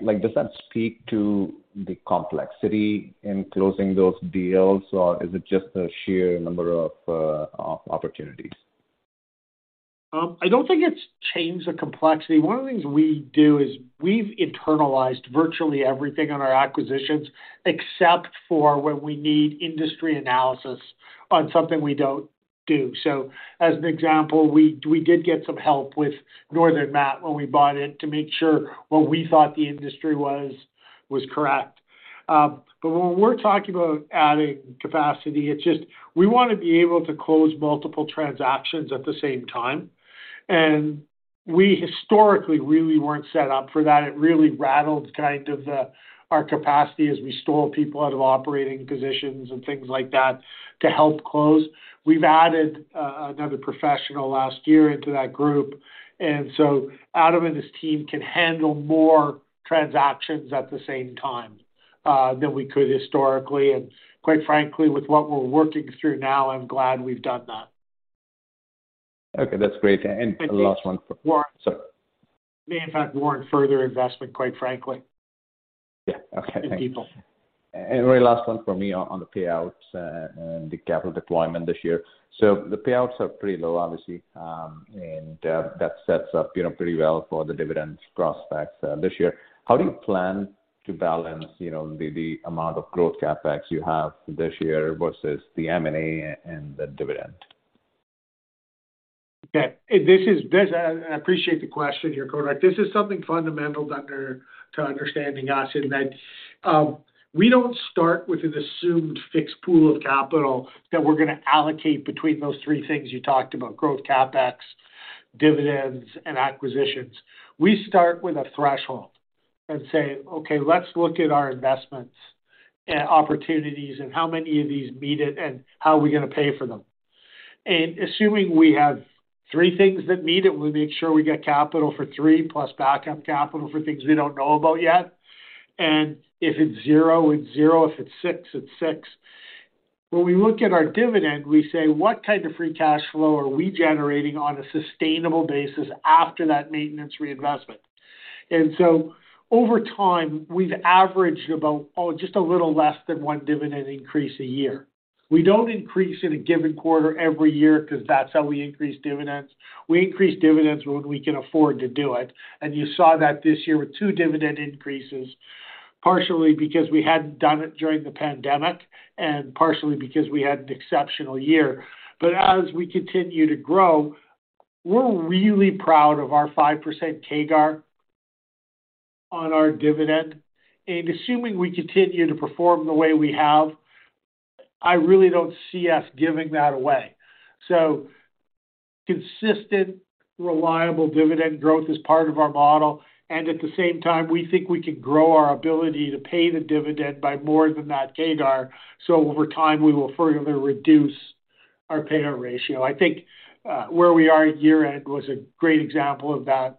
like, does that speak to the complexity in closing those deals, or is it just the sheer number of opportunities? I don't think it's changed the complexity. One of the things we do is we've internalized virtually everything on our acquisitions, except for when we need industry analysis on something we don't do. As an example, we did get some help with Northern Mat when we bought it to make sure what we thought the industry was correct. When we're talking about adding capacity, it's just we wanna be able to close multiple transactions at the same time. We historically really weren't set up for that. It really rattled kind of our capacity as we stole people out of operating positions and things like that to help close. We've added another professional last year into that group. So Adam and his team can handle more transactions at the same time than we could historically. Quite frankly, with what we're working through now, I'm glad we've done that. Okay. That's great. The last one. And may warrant- Sorry. May in fact warrant further investment, quite frankly. Yeah. Okay. Thanks. People. Very last one for me on the payouts, and the capital deployment this year. The payouts are pretty low, obviously. That sets up, you know, pretty well for the dividend prospects, this year. How do you plan to balance, you know, the amount of growth CapEx you have this year versus the M&A and the dividend? Okay. This, I appreciate the question here, Konark Gupta. This is something fundamental under to understanding us in that, we don't start with an assumed fixed pool of capital that we're gonna allocate between those three things you talked about growth CapEx, dividends, and acquisitions. We start with a threshold and say, "Okay, let's look at our investments and opportunities and how many of these meet it and how are we gonna pay for them." Assuming we have three things that meet it, we make sure we get capital for three plus backup capital for things we don't know about yet. If it's zero, it's zero. If it's six, it's six. When we look at our dividend, we say, what type of free cash flow are we generating on a sustainable basis after that maintenance reinvestment? Over time, we've averaged about, oh, just a little less than one dividend increase a year. We don't increase in a given quarter every year 'cause that's how we increase dividends. We increase dividends when we can afford to do it. You saw that this year with two dividend increases, partially because we hadn't done it during the pandemic and partially because we had an exceptional year. As we continue to grow, we're really proud of our 5% CAGR on our dividend. Assuming we continue to perform the way we have, I really don't see us giving that away. Consistent, reliable dividend growth is part of our model, and at the same time, we think we can grow our ability to pay the dividend by more than that CAGR, so over time, we will further reduce our payout ratio. I think where we are at year-end was a great example of that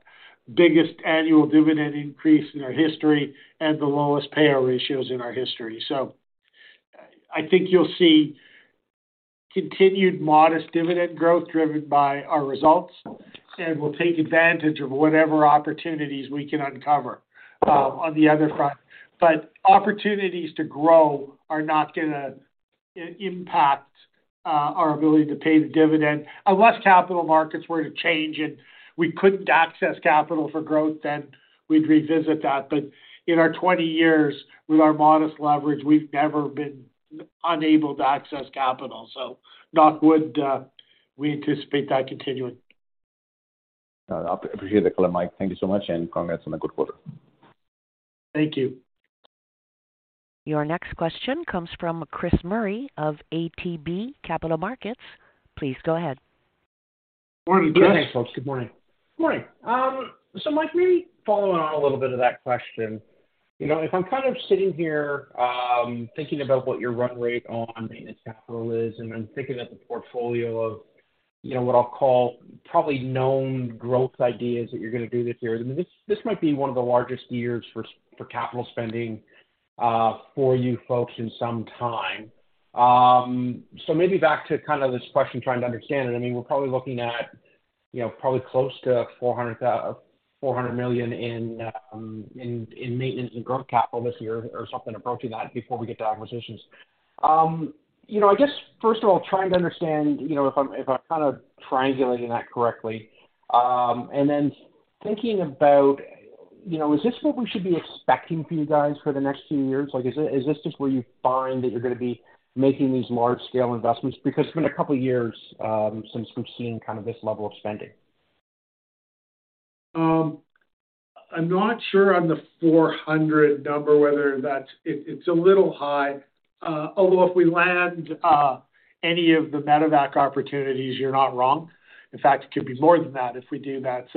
biggest annual dividend increase in our history and the lowest payout ratios in our history. I think you'll see continued modest dividend growth driven by our results, and we'll take advantage of whatever opportunities we can uncover on the other front. Opportunities to grow are not gonna impact our ability to pay the dividend. Unless capital markets were to change and we couldn't access capital for growth, then we'd revisit that. In our 20 years, with our modest leverage, we've never been unable to access capital. Knock wood, we anticipate that continuing. No, I appreciate the color, Mike. Thank You so much, and congrats on a good quarter. Thank you. Your next question comes from Chris Murray of ATB Capital Markets. Please go ahead. Morning, Chris. Thanks, folks. Good morning. Good morning. Mike, maybe following on a little bit of that question. You know, if I'm kind of sitting here, thinking about what your run rate on maintenance capital is and then thinking about the portfolio of, you know, what I'll call probably known growth ideas that you're gonna do this year, I mean, this might be one of the largest years for capital spending for you folks in some time. Maybe back to kind of this question, trying to understand it. I mean, we're probably looking at, you know, probably close to 400 million in maintenance and growth capital this year or something approaching that before we get to acquisitions. You know, I guess first of all, trying to understand, you know, if I'm, if I'm kinda triangulating that correctly, and then thinking about, you know, is this what we should be expecting from you guys for the next few years? Like, is this just where you find that you're gonna be making these large scale investments? Because it's been a couple of years since we've seen kind of this level of spending. I'm not sure on the 400 number whether that's... It, it's a little high. Although if we land any of the Medevac opportunities, you're not wrong. In fact, it could be more than that if we do that.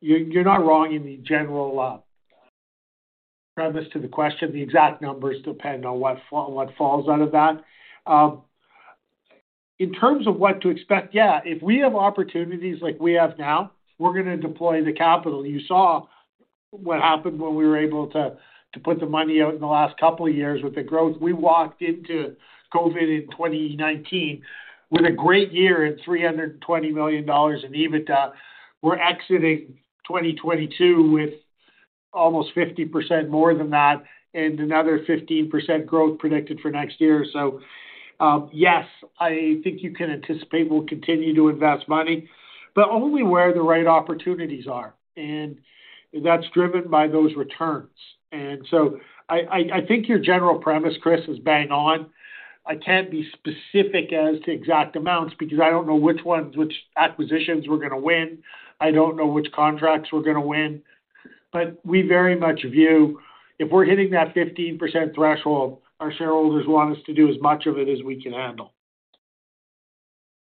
You're not wrong in the general premise to the question. The exact numbers depend on what falls out of that. In terms of what to expect, if we have opportunities like we have now, we're gonna deploy the capital. You saw what happened when we were able to put the money out in the last couple of years with the growth. We walked into COVID in 2019 with a great year at 320 million dollars in EBITDA. We're exiting 2022 with almost 50% more than that and another 15% growth predicted for next year. Yes, I think you can anticipate we'll continue to invest money, but only where the right opportunities are, and that's driven by those returns. I think your general premise, Chris, is bang on. I can't be specific as to exact amounts because I don't know which ones, which acquisitions we're gonna win. I don't know which contracts we're gonna win. We very much view, if we're hitting that 15% threshold, our shareholders want us to do as much of it as we can handle.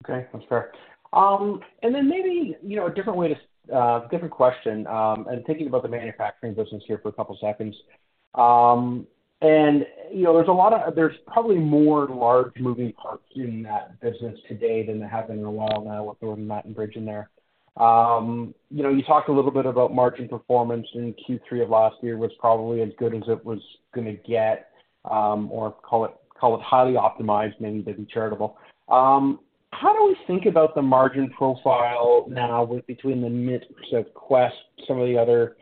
Okay. That's fair. Maybe, you know, a different way to different question, and thinking about the manufacturing business here for a couple seconds. You know, there's a lot of... there's probably more large moving parts in that business today than there have been in a while now with Northern Mat & Bridge in there. You know, you talked a little bit about margin performance in Q3 of last year was probably as good as it was gonna get, or call it highly optimized, maybe to be charitable. How do we think about the margin profile now with between the mix of Quest, some of the other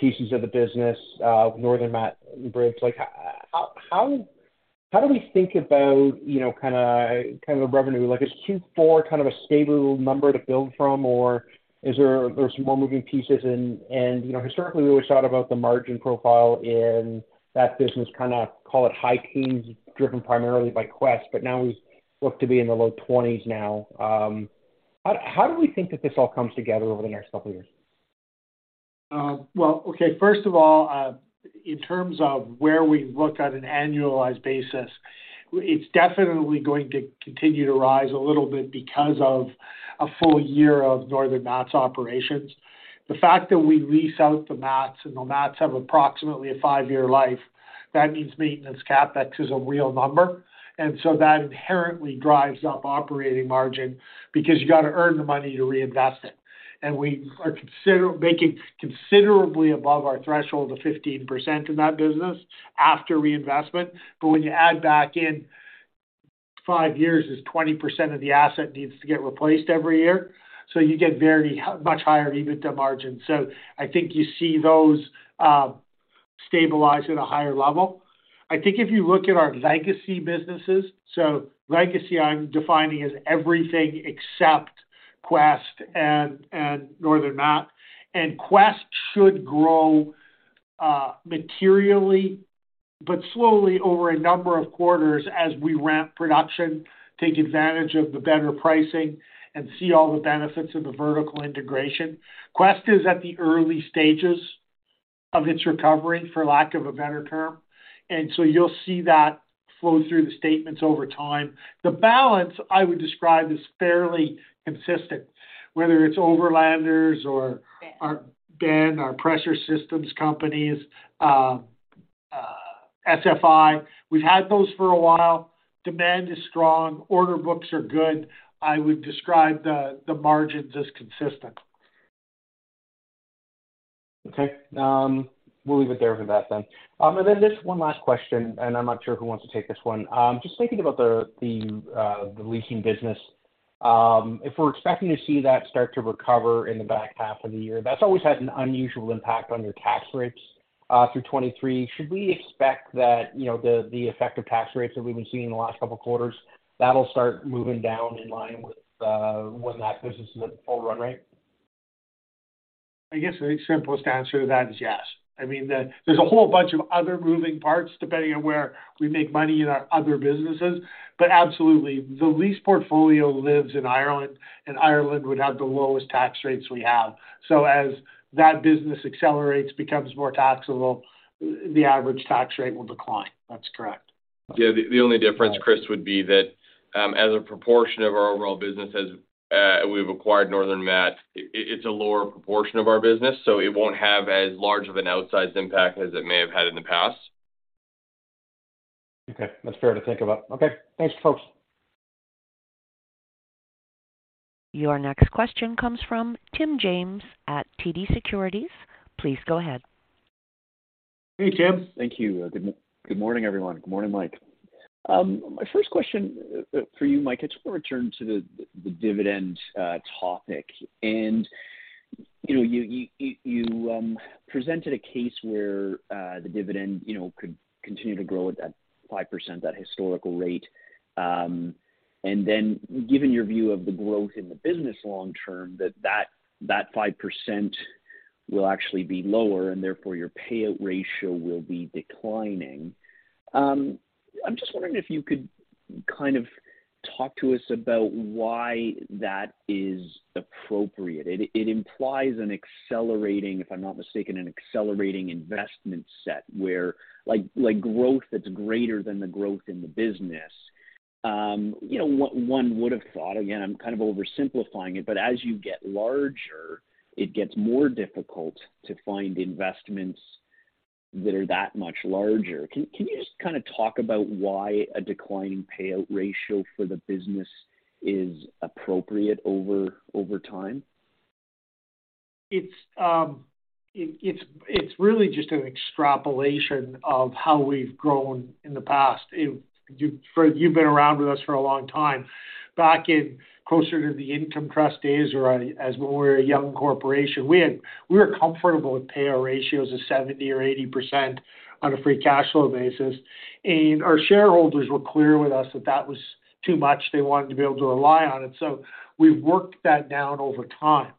pieces of the business, Northern Mat & Bridge? How do we think about kind of a revenue? Is Q4 kind of a stable number to build from, or there's more moving pieces? Historically, we always thought about the margin profile in that business, call it high teens, driven primarily by Quest, but now we look to be in the low 20s now. How do we think that this all comes together over the next two years? Well, okay, first of all, in terms of where we look at an annualized basis, it's definitely going to continue to rise a little bit because of a full year of Northern Mat & Bridge's operations. The fact that we lease out the mats, and the mats have approximately a five-year life, that means maintenance CapEx is a real number. That inherently drives up operating margin because you gotta earn the money to reinvest it. We are making considerably above our threshold of 15% in that business after reinvestment. When you add back in five years is 20% of the asset needs to get replaced every year, you get very much higher EBITDA margin. I think you see those stabilize at a higher level. I think if you look at our legacy businesses, so legacy I'm defining as everything except Quest and Northern Mat. Quest should grow materially but slowly over a number of quarters as we ramp production, take advantage of the better pricing, and see all the benefits of the vertical integration. Quest is at the early stages of its recovery, for lack of a better term, and so you'll see that flow through the statements over time. The balance I would describe as fairly consistent, whether it's Overlanders or our Ben, our pressure systems companies, SFI. We've had those for a while. Demand is strong. Order books are good. I would describe the margins as consistent. Okay. We'll leave it there for that then. Just one last question, and I'm not sure who wants to take this one. Just thinking about the leasing business, if we're expecting to see that start to recover in the back half of the year, that's always had an unusual impact on your tax rates through 2023. Should we expect that, you know, the effective tax rates that we've been seeing in the last couple of quarters, that'll start moving down in line with when that business is at full run rate? I guess the simplest answer to that is yes. I mean, there's a whole bunch of other moving parts depending on where we make money in our other businesses. Absolutely. The lease portfolio lives in Ireland, and Ireland would have the lowest tax rates we have. As that business accelerates, becomes more taxable, the average tax rate will decline. That's correct. Yeah, the only difference, Chris, would be that, as a proportion of our overall business as we've acquired Northern Mat, it's a lower proportion of our business, so it won't have as large of an outsized impact as it may have had in the past. Okay. That's fair to think about. Okay. Thanks, folks. Your next question comes from Tim James at TD Securities. Please go ahead. Hey, Tim. Thank you. Good morning, everyone. Good morning, Mike. My first question for you, Mike, I just wanna return to the dividend topic. You know, you presented a case where the dividend, you know, could continue to grow at that 5%, that historical rate, and then given your view of the growth in the business long term, that 5% will actually be lower, and therefore your payout ratio will be declining. I'm just wondering if you could kind of talk to us about why that is appropriate. It implies an accelerating, if I'm not mistaken, an accelerating investment set where like growth that's greater than the growth in the business. You know, one would have thought, again, I'm kind of oversimplifying it. As you get larger, it gets more difficult to find investments that are that much larger. Can you just kinda talk about why a declining payout ratio for the business is appropriate over time? It's really just an extrapolation of how we've grown in the past. You've, Fred, you've been around with us for a long time. Back in closer to the income trust days or as when we were a young corporation, we were comfortable with payout ratios of 70% or 80% on a free cash flow basis. Our shareholders were clear with us that that was too much. They wanted to be able to rely on it. We've worked that down over time.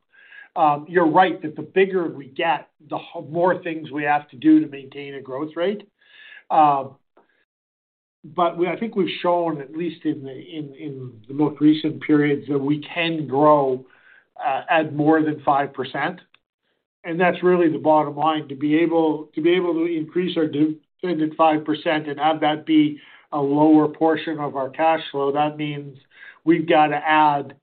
You're right that the bigger we get, the more things we have to do to maintain a growth rate. But I think we've shown, at least in the most recent periods, that we can grow at more than 5%. That's really the bottom line. To be able to increase our dividend 5% and have that be a lower portion of our cash flow, that means we've got to add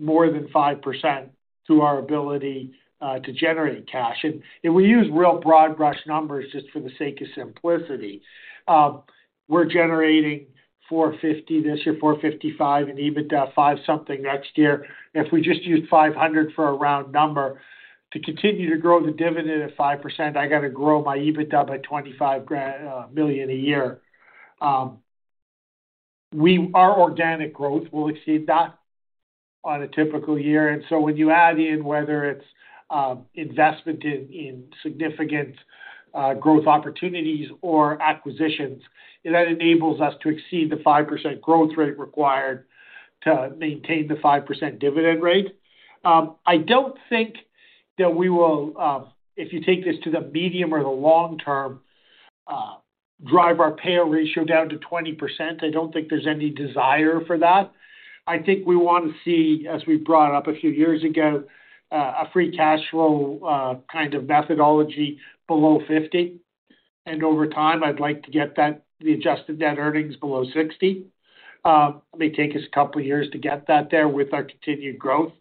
more than 5% to our ability to generate cash. We use real broad brush numbers just for the sake of simplicity. We're generating 450 million this year, 455 million in EBITDA, five something next year. If we just use 500 million for a round number, to continue to grow the dividend at 5%, I got to grow my EBITDA by 25 million a year. Our organic growth will exceed that on a typical year. When you add in whether it's investment in significant growth opportunities or acquisitions, that enables us to exceed the 5% growth rate required to maintain the 5% dividend rate. I don't think that we will, if you take this to the medium or the long term, drive our payout ratio down to 20%. I don't think there's any desire for that. I think we want to see, as we brought up a few years ago, a free cash flow, kind of methodology below 50%. Over time, I'd like to get that the adjusted debt earnings below 60%. It may take us a couple of years to get that there with our continued growth,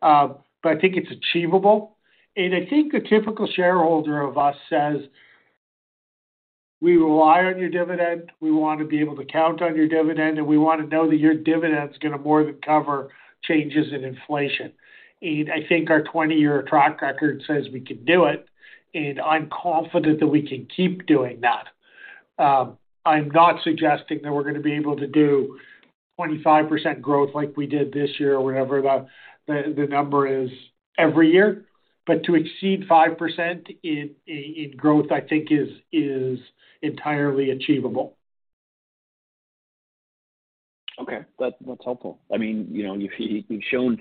but I think it's achievable. I think a typical shareholder of us says, "We rely on your dividend. We want to be able to count on your dividend, and we want to know that your dividend is gonna more than cover changes in inflation." I think our 20-year track record says we can do it, and I'm confident that we can keep doing that. I'm not suggesting that we're gonna be able to do 25% growth like we did this year or whatever the number is every year. To exceed 5% in growth, I think is entirely achievable. Okay. That's helpful. I mean, you know, you've shown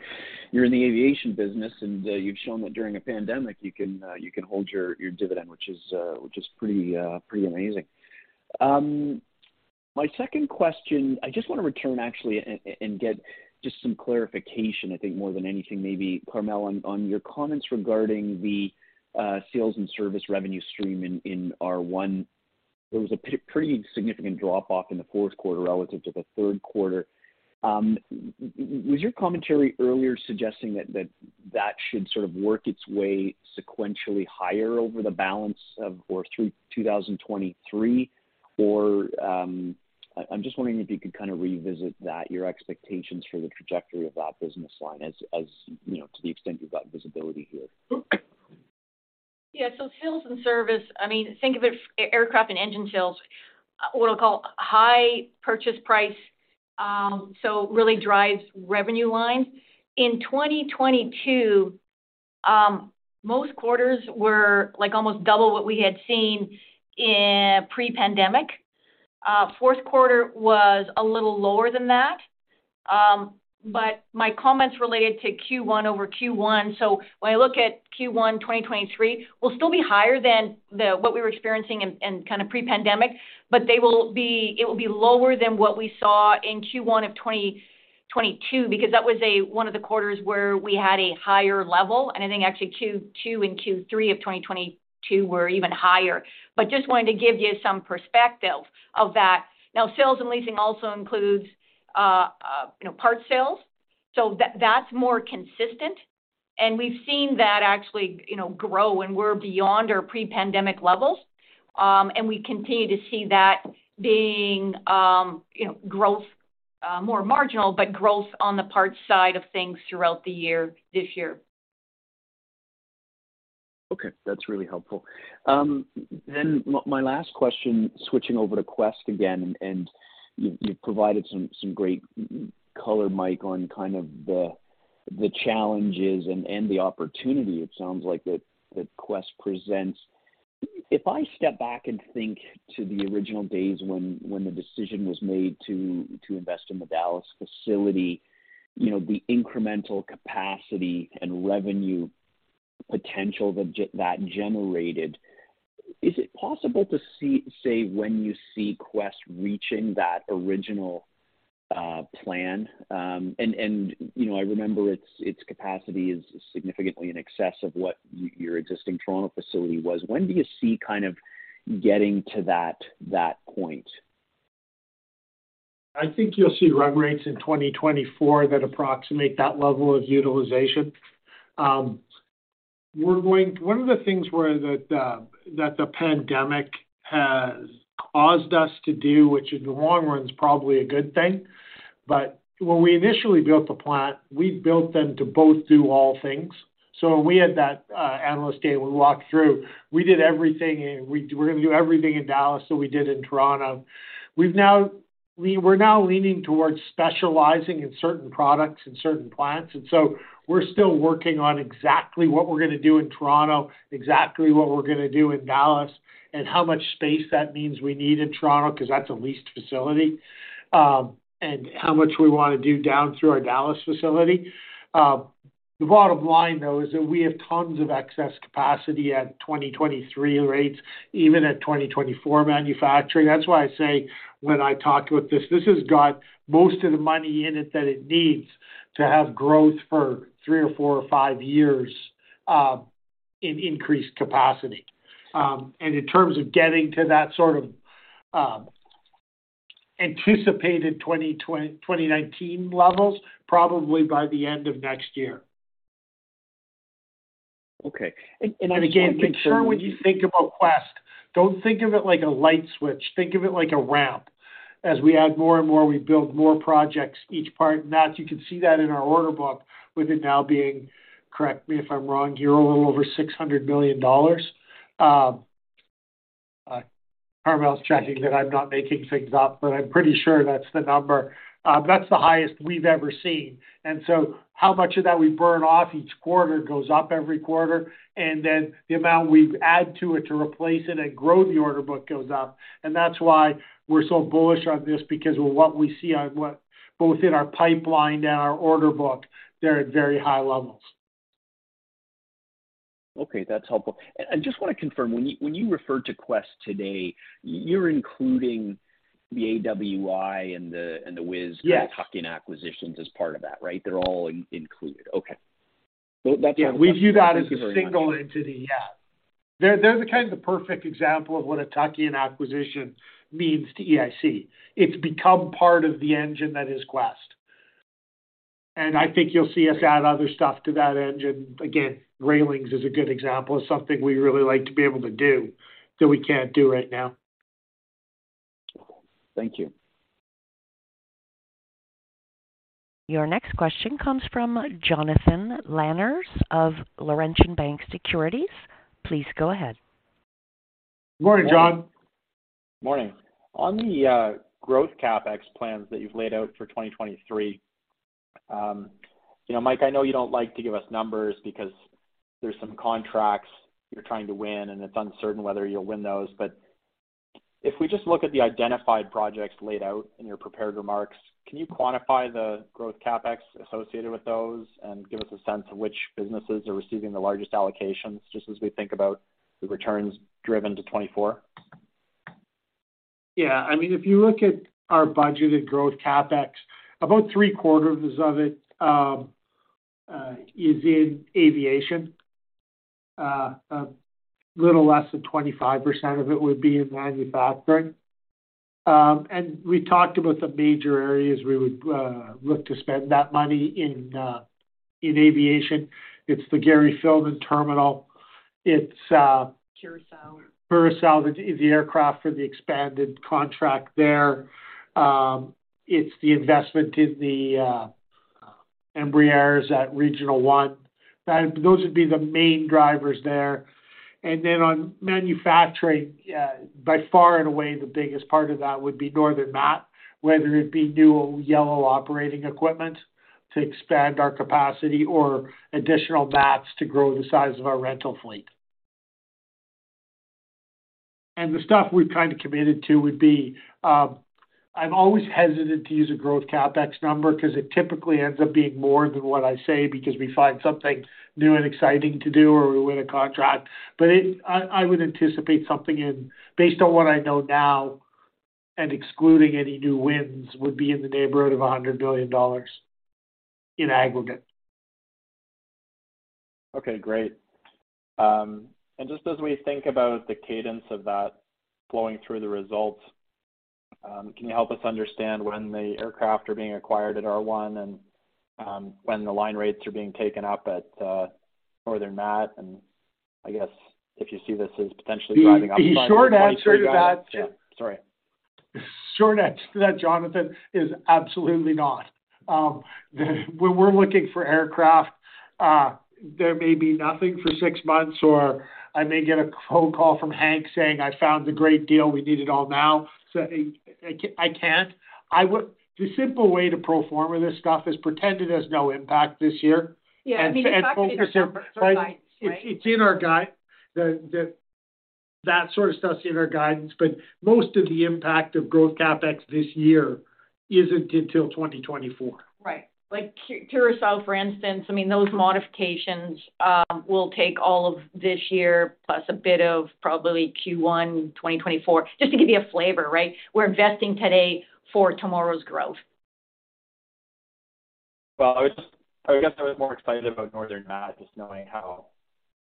you're in the aviation business, and you've shown that during a pandemic, you can hold your dividend, which is pretty amazing. My second question, I just wanna return actually and get just some clarification, I think, more than anything, maybe Carmel, on your comments regarding the sales and service revenue stream in R1. There was a pretty significant drop-off in the fourth quarter relative to the third quarter. Was your commentary earlier suggesting that that should sort of work its way sequentially higher over the balance of or through 2023, or? I'm just wondering if you could kind of revisit that, your expectations for the trajectory of that business line as, you know, to the extent you've got visibility here. Yeah. Sales and service, I mean, think of it aircraft and engine sales, what I'll call high purchase price, so really drives revenue lines. In 2022, most quarters were like almost double what we had seen in pre-pandemic. Fourth quarter was a little lower than that. My comments related to Q1 over Q1. When I look at Q1 2023, we'll still be higher than what we were experiencing in kind of pre-pandemic, but it will be lower than what we saw in Q1 of 2022, because that was one of the quarters where we had a higher level, and I think actually Q2 and Q3 of 2022 were even higher. Just wanted to give you some perspective of that. Sales and leasing also includes, you know, parts sales, so that's more consistent. We've seen that actually, you know, grow, and we're beyond our pre-pandemic levels. We continue to see that being, you know, growth, more marginal, but growth on the parts side of things throughout the year this year. That's really helpful. My last question, switching over to Quest again. You've provided some great color, Mike, on kind of the challenges and the opportunity it sounds like that Quest presents. If I step back and think to the original days when the decision was made to invest in the Dallas facility, you know, the incremental capacity and revenue potential that generated, is it possible to say when you see Quest reaching that original plan? You know, I remember its capacity is significantly in excess of what your existing Toronto facility was. When do you see kind of getting to that point? I think you'll see run rates in 2024 that approximate that level of utilization. One of the things where that the pandemic has caused us to do, which in the long run is probably a good thing, when we initially built the plant, we built them to both do all things. When we had that analyst day, and we walked through, we did everything and we're gonna do everything in Dallas that we did in Toronto. We're now leaning towards specializing in certain products and certain plants, we're still working on exactly what we're gonna do in Toronto, exactly what we're gonna do in Dallas, and how much space that means we need in Toronto, 'cause that's a leased facility, and how much we wanna do down through our Dallas facility. The bottom line, though, is that we have tons of excess capacity at 2023 rates, even at 2024 manufacturing. That's why I say when I talk about this has got most of the money in it that it needs to have growth for three or four or five years, in increased capacity. In terms of getting to that sort of, anticipated 2019 levels, probably by the end of next year. Okay. I just want to confirm. Again, make sure when you think about Quest, don't think of it like a light switch. Think of it like a ramp. As we add more and more, we build more projects, each part. That, you can see that in our order book, with it now being, correct me if I'm wrong here, a little over $600 million. Carmele's checking that I'm not making things up, but I'm pretty sure that's the number. That's the highest we've ever seen. How much of that we burn off each quarter goes up every quarter, and then the amount we add to it to replace it and grow the order book goes up. That's why we're so bullish on this, because what we see on both in our pipeline and our order book, they're at very high levels. Okay, that's helpful. I just wanna confirm, when you refer to Quest today, you're including the AWI and the. Yes. The tuck-in acquisitions as part of that, right? They're all included. Okay. That's helpful. Yeah. We view that as a single entity. Thank you very much. Yeah. They're the kind of the perfect example of what a tuck-in acquisition means to EIC. It's become part of the engine that is Quest. I think you'll see us add other stuff to that engine. Again, railings is a good example of something we really like to be able to do that we can't do right now. Thank you. Your next question comes from Jonathan Lamers of Laurentian Bank Securities. Please go ahead. Good morning, Jon. Morning. On the growth CapEx plans that you've laid out for 2023, you know, Mike, I know you don't like to give us numbers because there's some contracts you're trying to win, and it's uncertain whether you'll win those. If we just look at the identified projects laid out in your prepared remarks, can you quantify the growth CapEx associated with those and give us a sense of which businesses are receiving the largest allocations, just as we think about the returns driven to 2024? Yeah. I mean, if you look at our budgeted growth CapEx, about three-quarters of it is in aviation. A little less than 25% of it would be in manufacturing. We talked about the major areas we would look to spend that money in in aviation. It's the Gary Filmon Terminal. Curaçao. Curaçao, the aircraft for the expanded contract there. It's the investment in the Embraer at Regional One. Those would be the main drivers there. On manufacturing, by far and away, the biggest part of that would be Northern Mat, whether it be new or yellow operating equipment to expand our capacity or additional mats to grow the size of our rental fleet. The stuff we've kinda committed to would be, I'm always hesitant to use a growth CapEx number 'cause it typically ends to be more than what I say because we find something new and exciting to do or we win a contract. I would anticipate something in, based on what I know now, and excluding any new wins, would be in the neighborhood of 100 million dollars in aggregate. Okay, great. Just as we think about the cadence of that flowing through the results, can you help us understand when the aircraft are being acquired at R1 and when the line rates are being taken up at Northern Mat? The short answer to that Yeah, sorry. Short answer to that, Jonathan, is absolutely not. When we're looking for aircraft, there may be nothing for six months, or I may get a phone call from Hank saying, "I found a great deal. We need it all now." I can't. The simple way to pro forma this stuff is pretend it has no impact this year. Yeah, I mean, in fact, it's in our guidance, right? That sort of stuff's in our guidance. Most of the impact of growth CapEx this year isn't until 2024. Right. Like, Curaçao, for instance, I mean, those modifications will take all of this year plus a bit of probably Q1 2024. Just to give you a flavor, right? We're investing today for tomorrow's growth. I guess I was more excited about Northern Mat, just knowing how,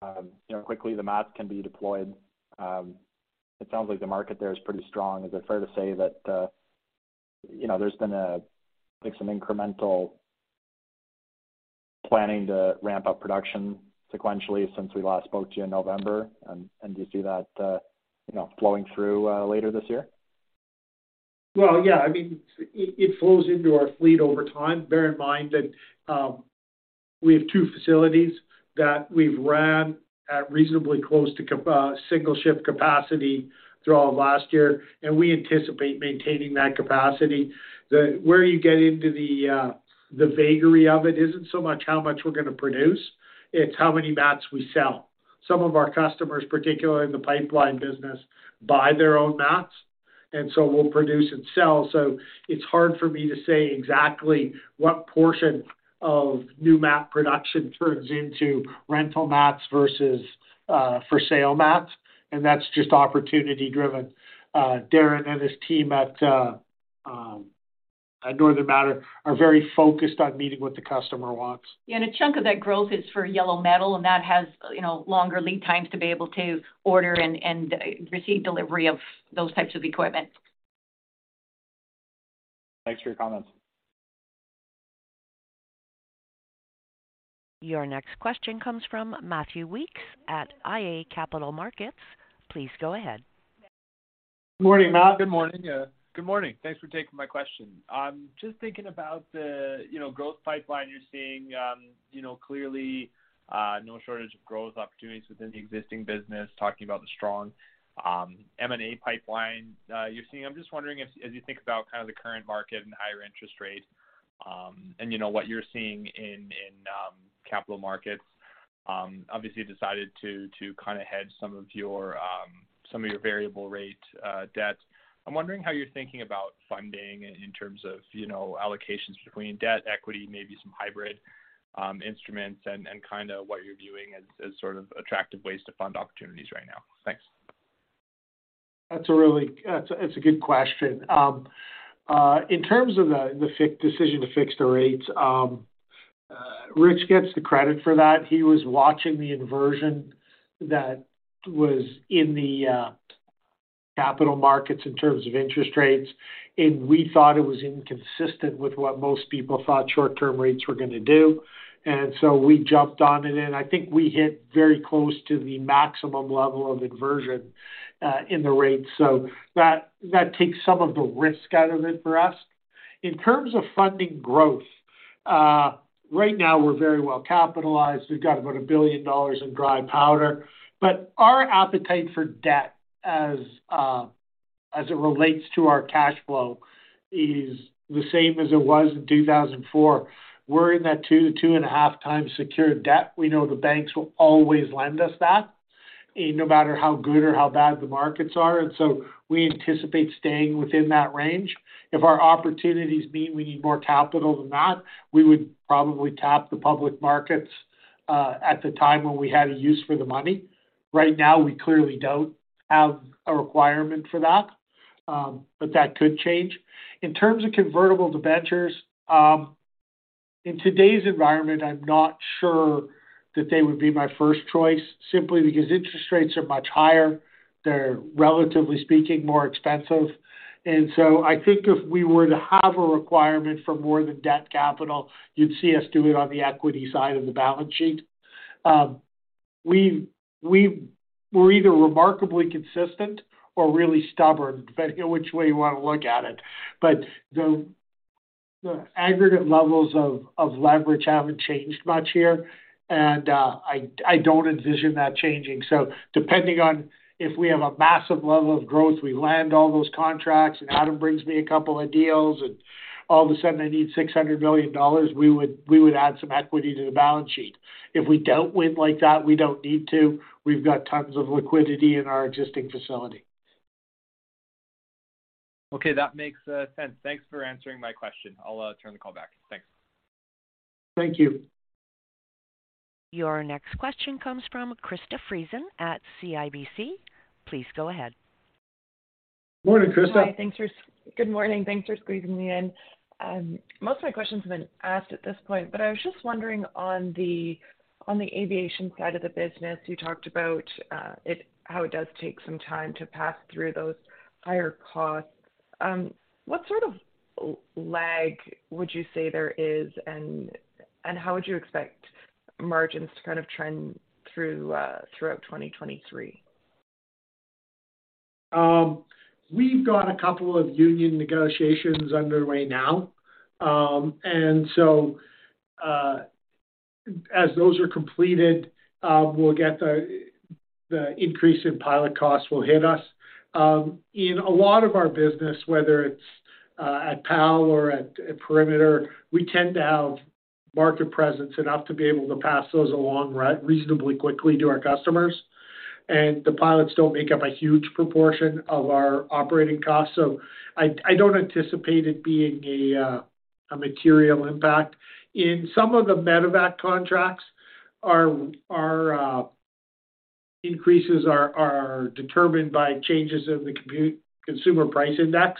you know, quickly the mats can be deployed. It sounds like the market there is pretty strong. Is it fair to say that, you know, there's been a, like, some incremental planning to ramp up production sequentially since we last spoke to you in November? Do you see that, you know, flowing through later this year? Well, yeah. I mean, it flows into our fleet over time. Bear in mind that, we have two facilities that we've ran at reasonably close to single shift capacity throughout last year, and we anticipate maintaining that capacity. Where you get into the vaguery of it isn't so much how much we're gonna produce, it's how many mats we sell. Some of our customers, particularly in the pipeline business, buy their own mats, and so we'll produce and sell. It's hard for me to say exactly what portion of new mat production turns into rental mats versus for sale mats, and that's just opportunity driven. Darren and his team at Northern Mat are very focused on meeting what the customer wants. Yeah. A chunk of that growth is for yellow metal, and that has, you know, longer lead times to be able to order and receive delivery of those types of equipment. Thanks for your comments. Your next question comes from Matthew Weekes at iA Capital Markets. Please go ahead. Morning, Matt. Good morning. Yeah. Good morning. Thanks for taking my question. I'm just thinking about the, you know, growth pipeline you're seeing, you know, clearly, no shortage of growth opportunities within the existing business, talking about the strong M&A pipeline you're seeing. I'm just wondering if as you think about kind of the current market and higher interest rate, and you know, what you're seeing in capital markets, obviously you decided to kinda hedge some of your variable rate debt. I'm wondering how you're thinking about funding in terms of, you know, allocations between debt, equity, maybe some hybrid instruments and kinda what you're viewing as sort of attractive ways to fund opportunities right now. Thanks. That's a good question. In terms of the decision to fix the rates, Rich gets the credit for that. He was watching the inversion that was in the capital markets in terms of interest rates, and we thought it was inconsistent with what most people thought short-term rates were gonna do. We jumped on it, and I think we hit very close to the maximum level of inversion in the rates. That takes some of the risk out of it for us. In terms of funding growth, right now we're very well capitalized. We've got about 1 billion dollars in dry powder. Our appetite for debt as it relates to our cash flow is the same as it was in 2004. We're in that 2x to 2.5x secured debt. We know the banks will always lend us that, no matter how good or how bad the markets are. We anticipate staying within that range. If our opportunities mean we need more capital than that, we would probably tap the public markets at the time when we had a use for the money. Right now, we clearly don't have a requirement for that, but that could change. In terms of convertible debentures, in today's environment, I'm not sure that they would be my first choice, simply because interest rates are much higher. They're, relatively speaking, more expensive. I think if we were to have a requirement for more than debt capital, you'd see us do it on the equity side of the balance sheet. We're either remarkably consistent or really stubborn, depending on which way you wanna look at it. The aggregate levels of leverage haven't changed much here, and I don't envision that changing. Depending on if we have a massive level of growth, we land all those contracts and Adam brings me a couple of deals and all of a sudden I need 600 million dollars, we would add some equity to the balance sheet. If we don't win like that, we don't need to. We've got tons of liquidity in our existing facility. Okay. That makes sense. Thanks for answering my question. I'll turn the call back. Thanks. Thank you. Your next question comes from Krista Friesen at CIBC. Please go ahead. Morning, Krista. Hi. Good morning, thanks for squeezing me in. Most of my questions have been asked at this point, but I was just wondering on the, on the aviation side of the business, you talked about how it does take some time to pass through those higher costs. What sort of lag would you say there is and how would you expect margins to kind of trend through throughout 2023? We've got a couple of union negotiations underway now. As those are completed, the increase in pilot costs will hit us. In a lot of our business, whether it's at PAL or at Perimeter, we tend to have market presence enough to be able to pass those along reasonably quickly to our customers. The pilots don't make up a huge proportion of our operating costs, so I don't anticipate it being a material impact. In some of the Medevac contracts, our increases are determined by changes in the consumer price index.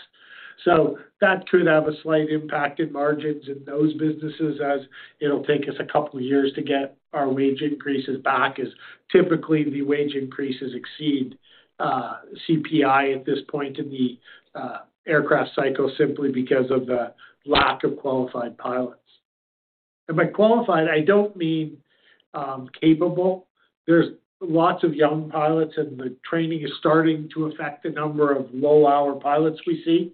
That could have a slight impact in margins in those businesses as it'll take us a couple of years to get our wage increases back as typically the wage increases exceed CPI at this point in the aircraft cycle, simply because of the lack of qualified pilots. By qualified, I don't mean capable. There's lots of young pilots and the training is starting to affect the number of low-hour pilots we see.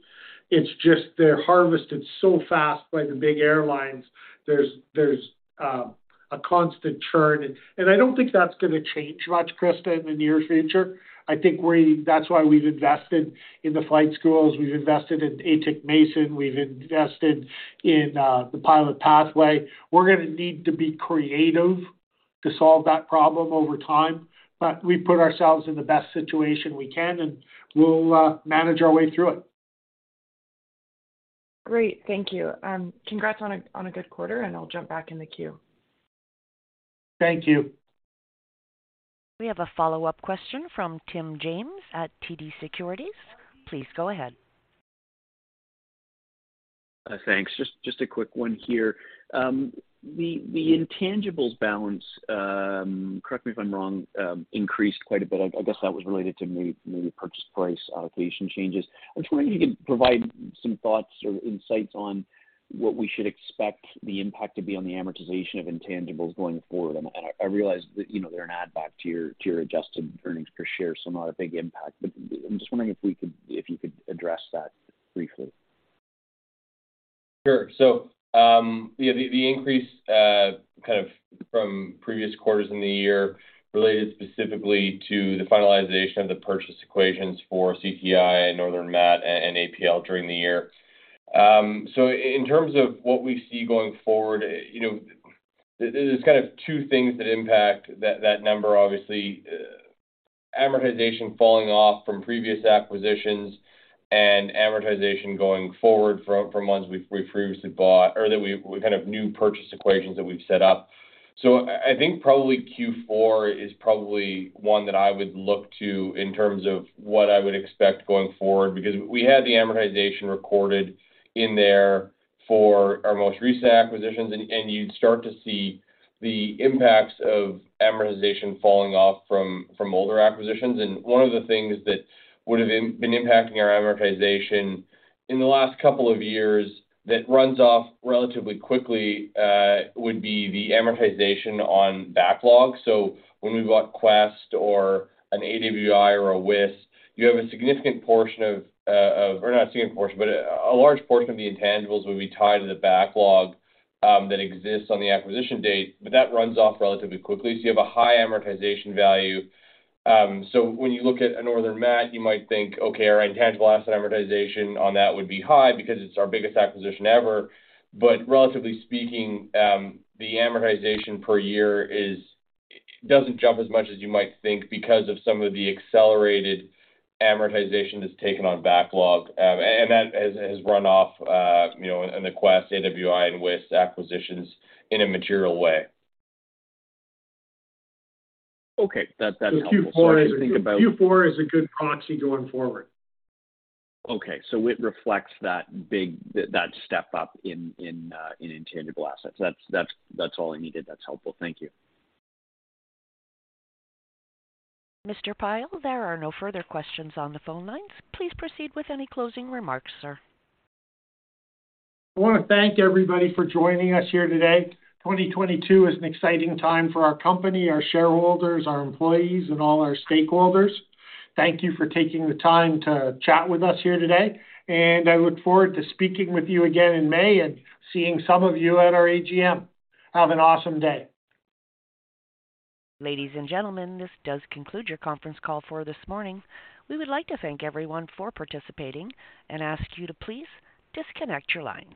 It's just they're harvested so fast by the big airlines. There's a constant churn. I don't think that's gonna change much, Krista, in the near future. I think that's why we've invested in the flight schools, we've invested in Atik Mason, we've invested in the Pilot Pathway. We're gonna need to be creative to solve that problem over time. We put ourselves in the best situation we can, and we'll manage our way through it. Great. Thank you. Congrats on a good quarter. I'll jump back in the queue. Thank you. We have a follow-up question from Tim James at TD Securities. Please go ahead. Thanks. Just a quick one here. The intangibles balance, correct me if I'm wrong, increased quite a bit. I guess that was related to new purchase price allocation changes. I was wondering if you could provide some thoughts or insights on what we should expect the impact to be on the amortization of intangibles going forward. I realize that, you know, they're an add back to your adjusted earnings per share, so not a big impact, but I'm just wondering if you could address that briefly. Sure. Yeah, the increase kind of from previous quarters in the year related specifically to the finalization of the purchase equations for CTI and Northern Mat and APL during the year. In terms of what we see going forward, you know, there's kind of two things that impact that number, obviously. Amortization falling off from previous acquisitions and amortization going forward from ones we've previously bought or that we've kind of new purchase equations that we've set up. I think probably Q4 is probably one that I would look to in terms of what I would expect going forward, because we had the amortization recorded in there for our most recent acquisitions, and you'd start to see the impacts of amortization falling off from older acquisitions. One of the things that would have been impacting our amortization in the last couple of years that runs off relatively quickly, would be the amortization on backlog. When we bought Quest or an AWI or a WIST, you have a significant portion of, Or not a significant portion, but a large portion of the intangibles would be tied to the backlog that exists on the acquisition date, but that runs off relatively quickly. You have a high amortization value. When you look at a Northern Mat, you might think, okay, our intangible asset amortization on that would be high because it's our biggest acquisition ever. Relatively speaking, the amortization per year doesn't jump as much as you might think because of some of the accelerated amortization that's taken on backlog, and that has run off, you know, in the Quest, AWI and WIST acquisitions in a material way. Okay. That's helpful. Q4 is. I'm just thinking about. Q4 is a good proxy going forward. Okay. It reflects that big that step up in intangible assets. That's all I needed. That's helpful. Thank you. Mr. Pyle, there are no further questions on the phone lines. Please proceed with any closing remarks, sir. I wanna thank everybody for joining us here today. 2022 is an exciting time for our company, our shareholders, our employees, and all our stakeholders. Thank you for taking the time to chat with us here today, and I look forward to speaking with you again in May and seeing some of you at our AGM. Have an awesome day. Ladies and gentlemen, this does conclude your conference call for this morning. We would like to thank everyone for participating and ask you to please disconnect your lines.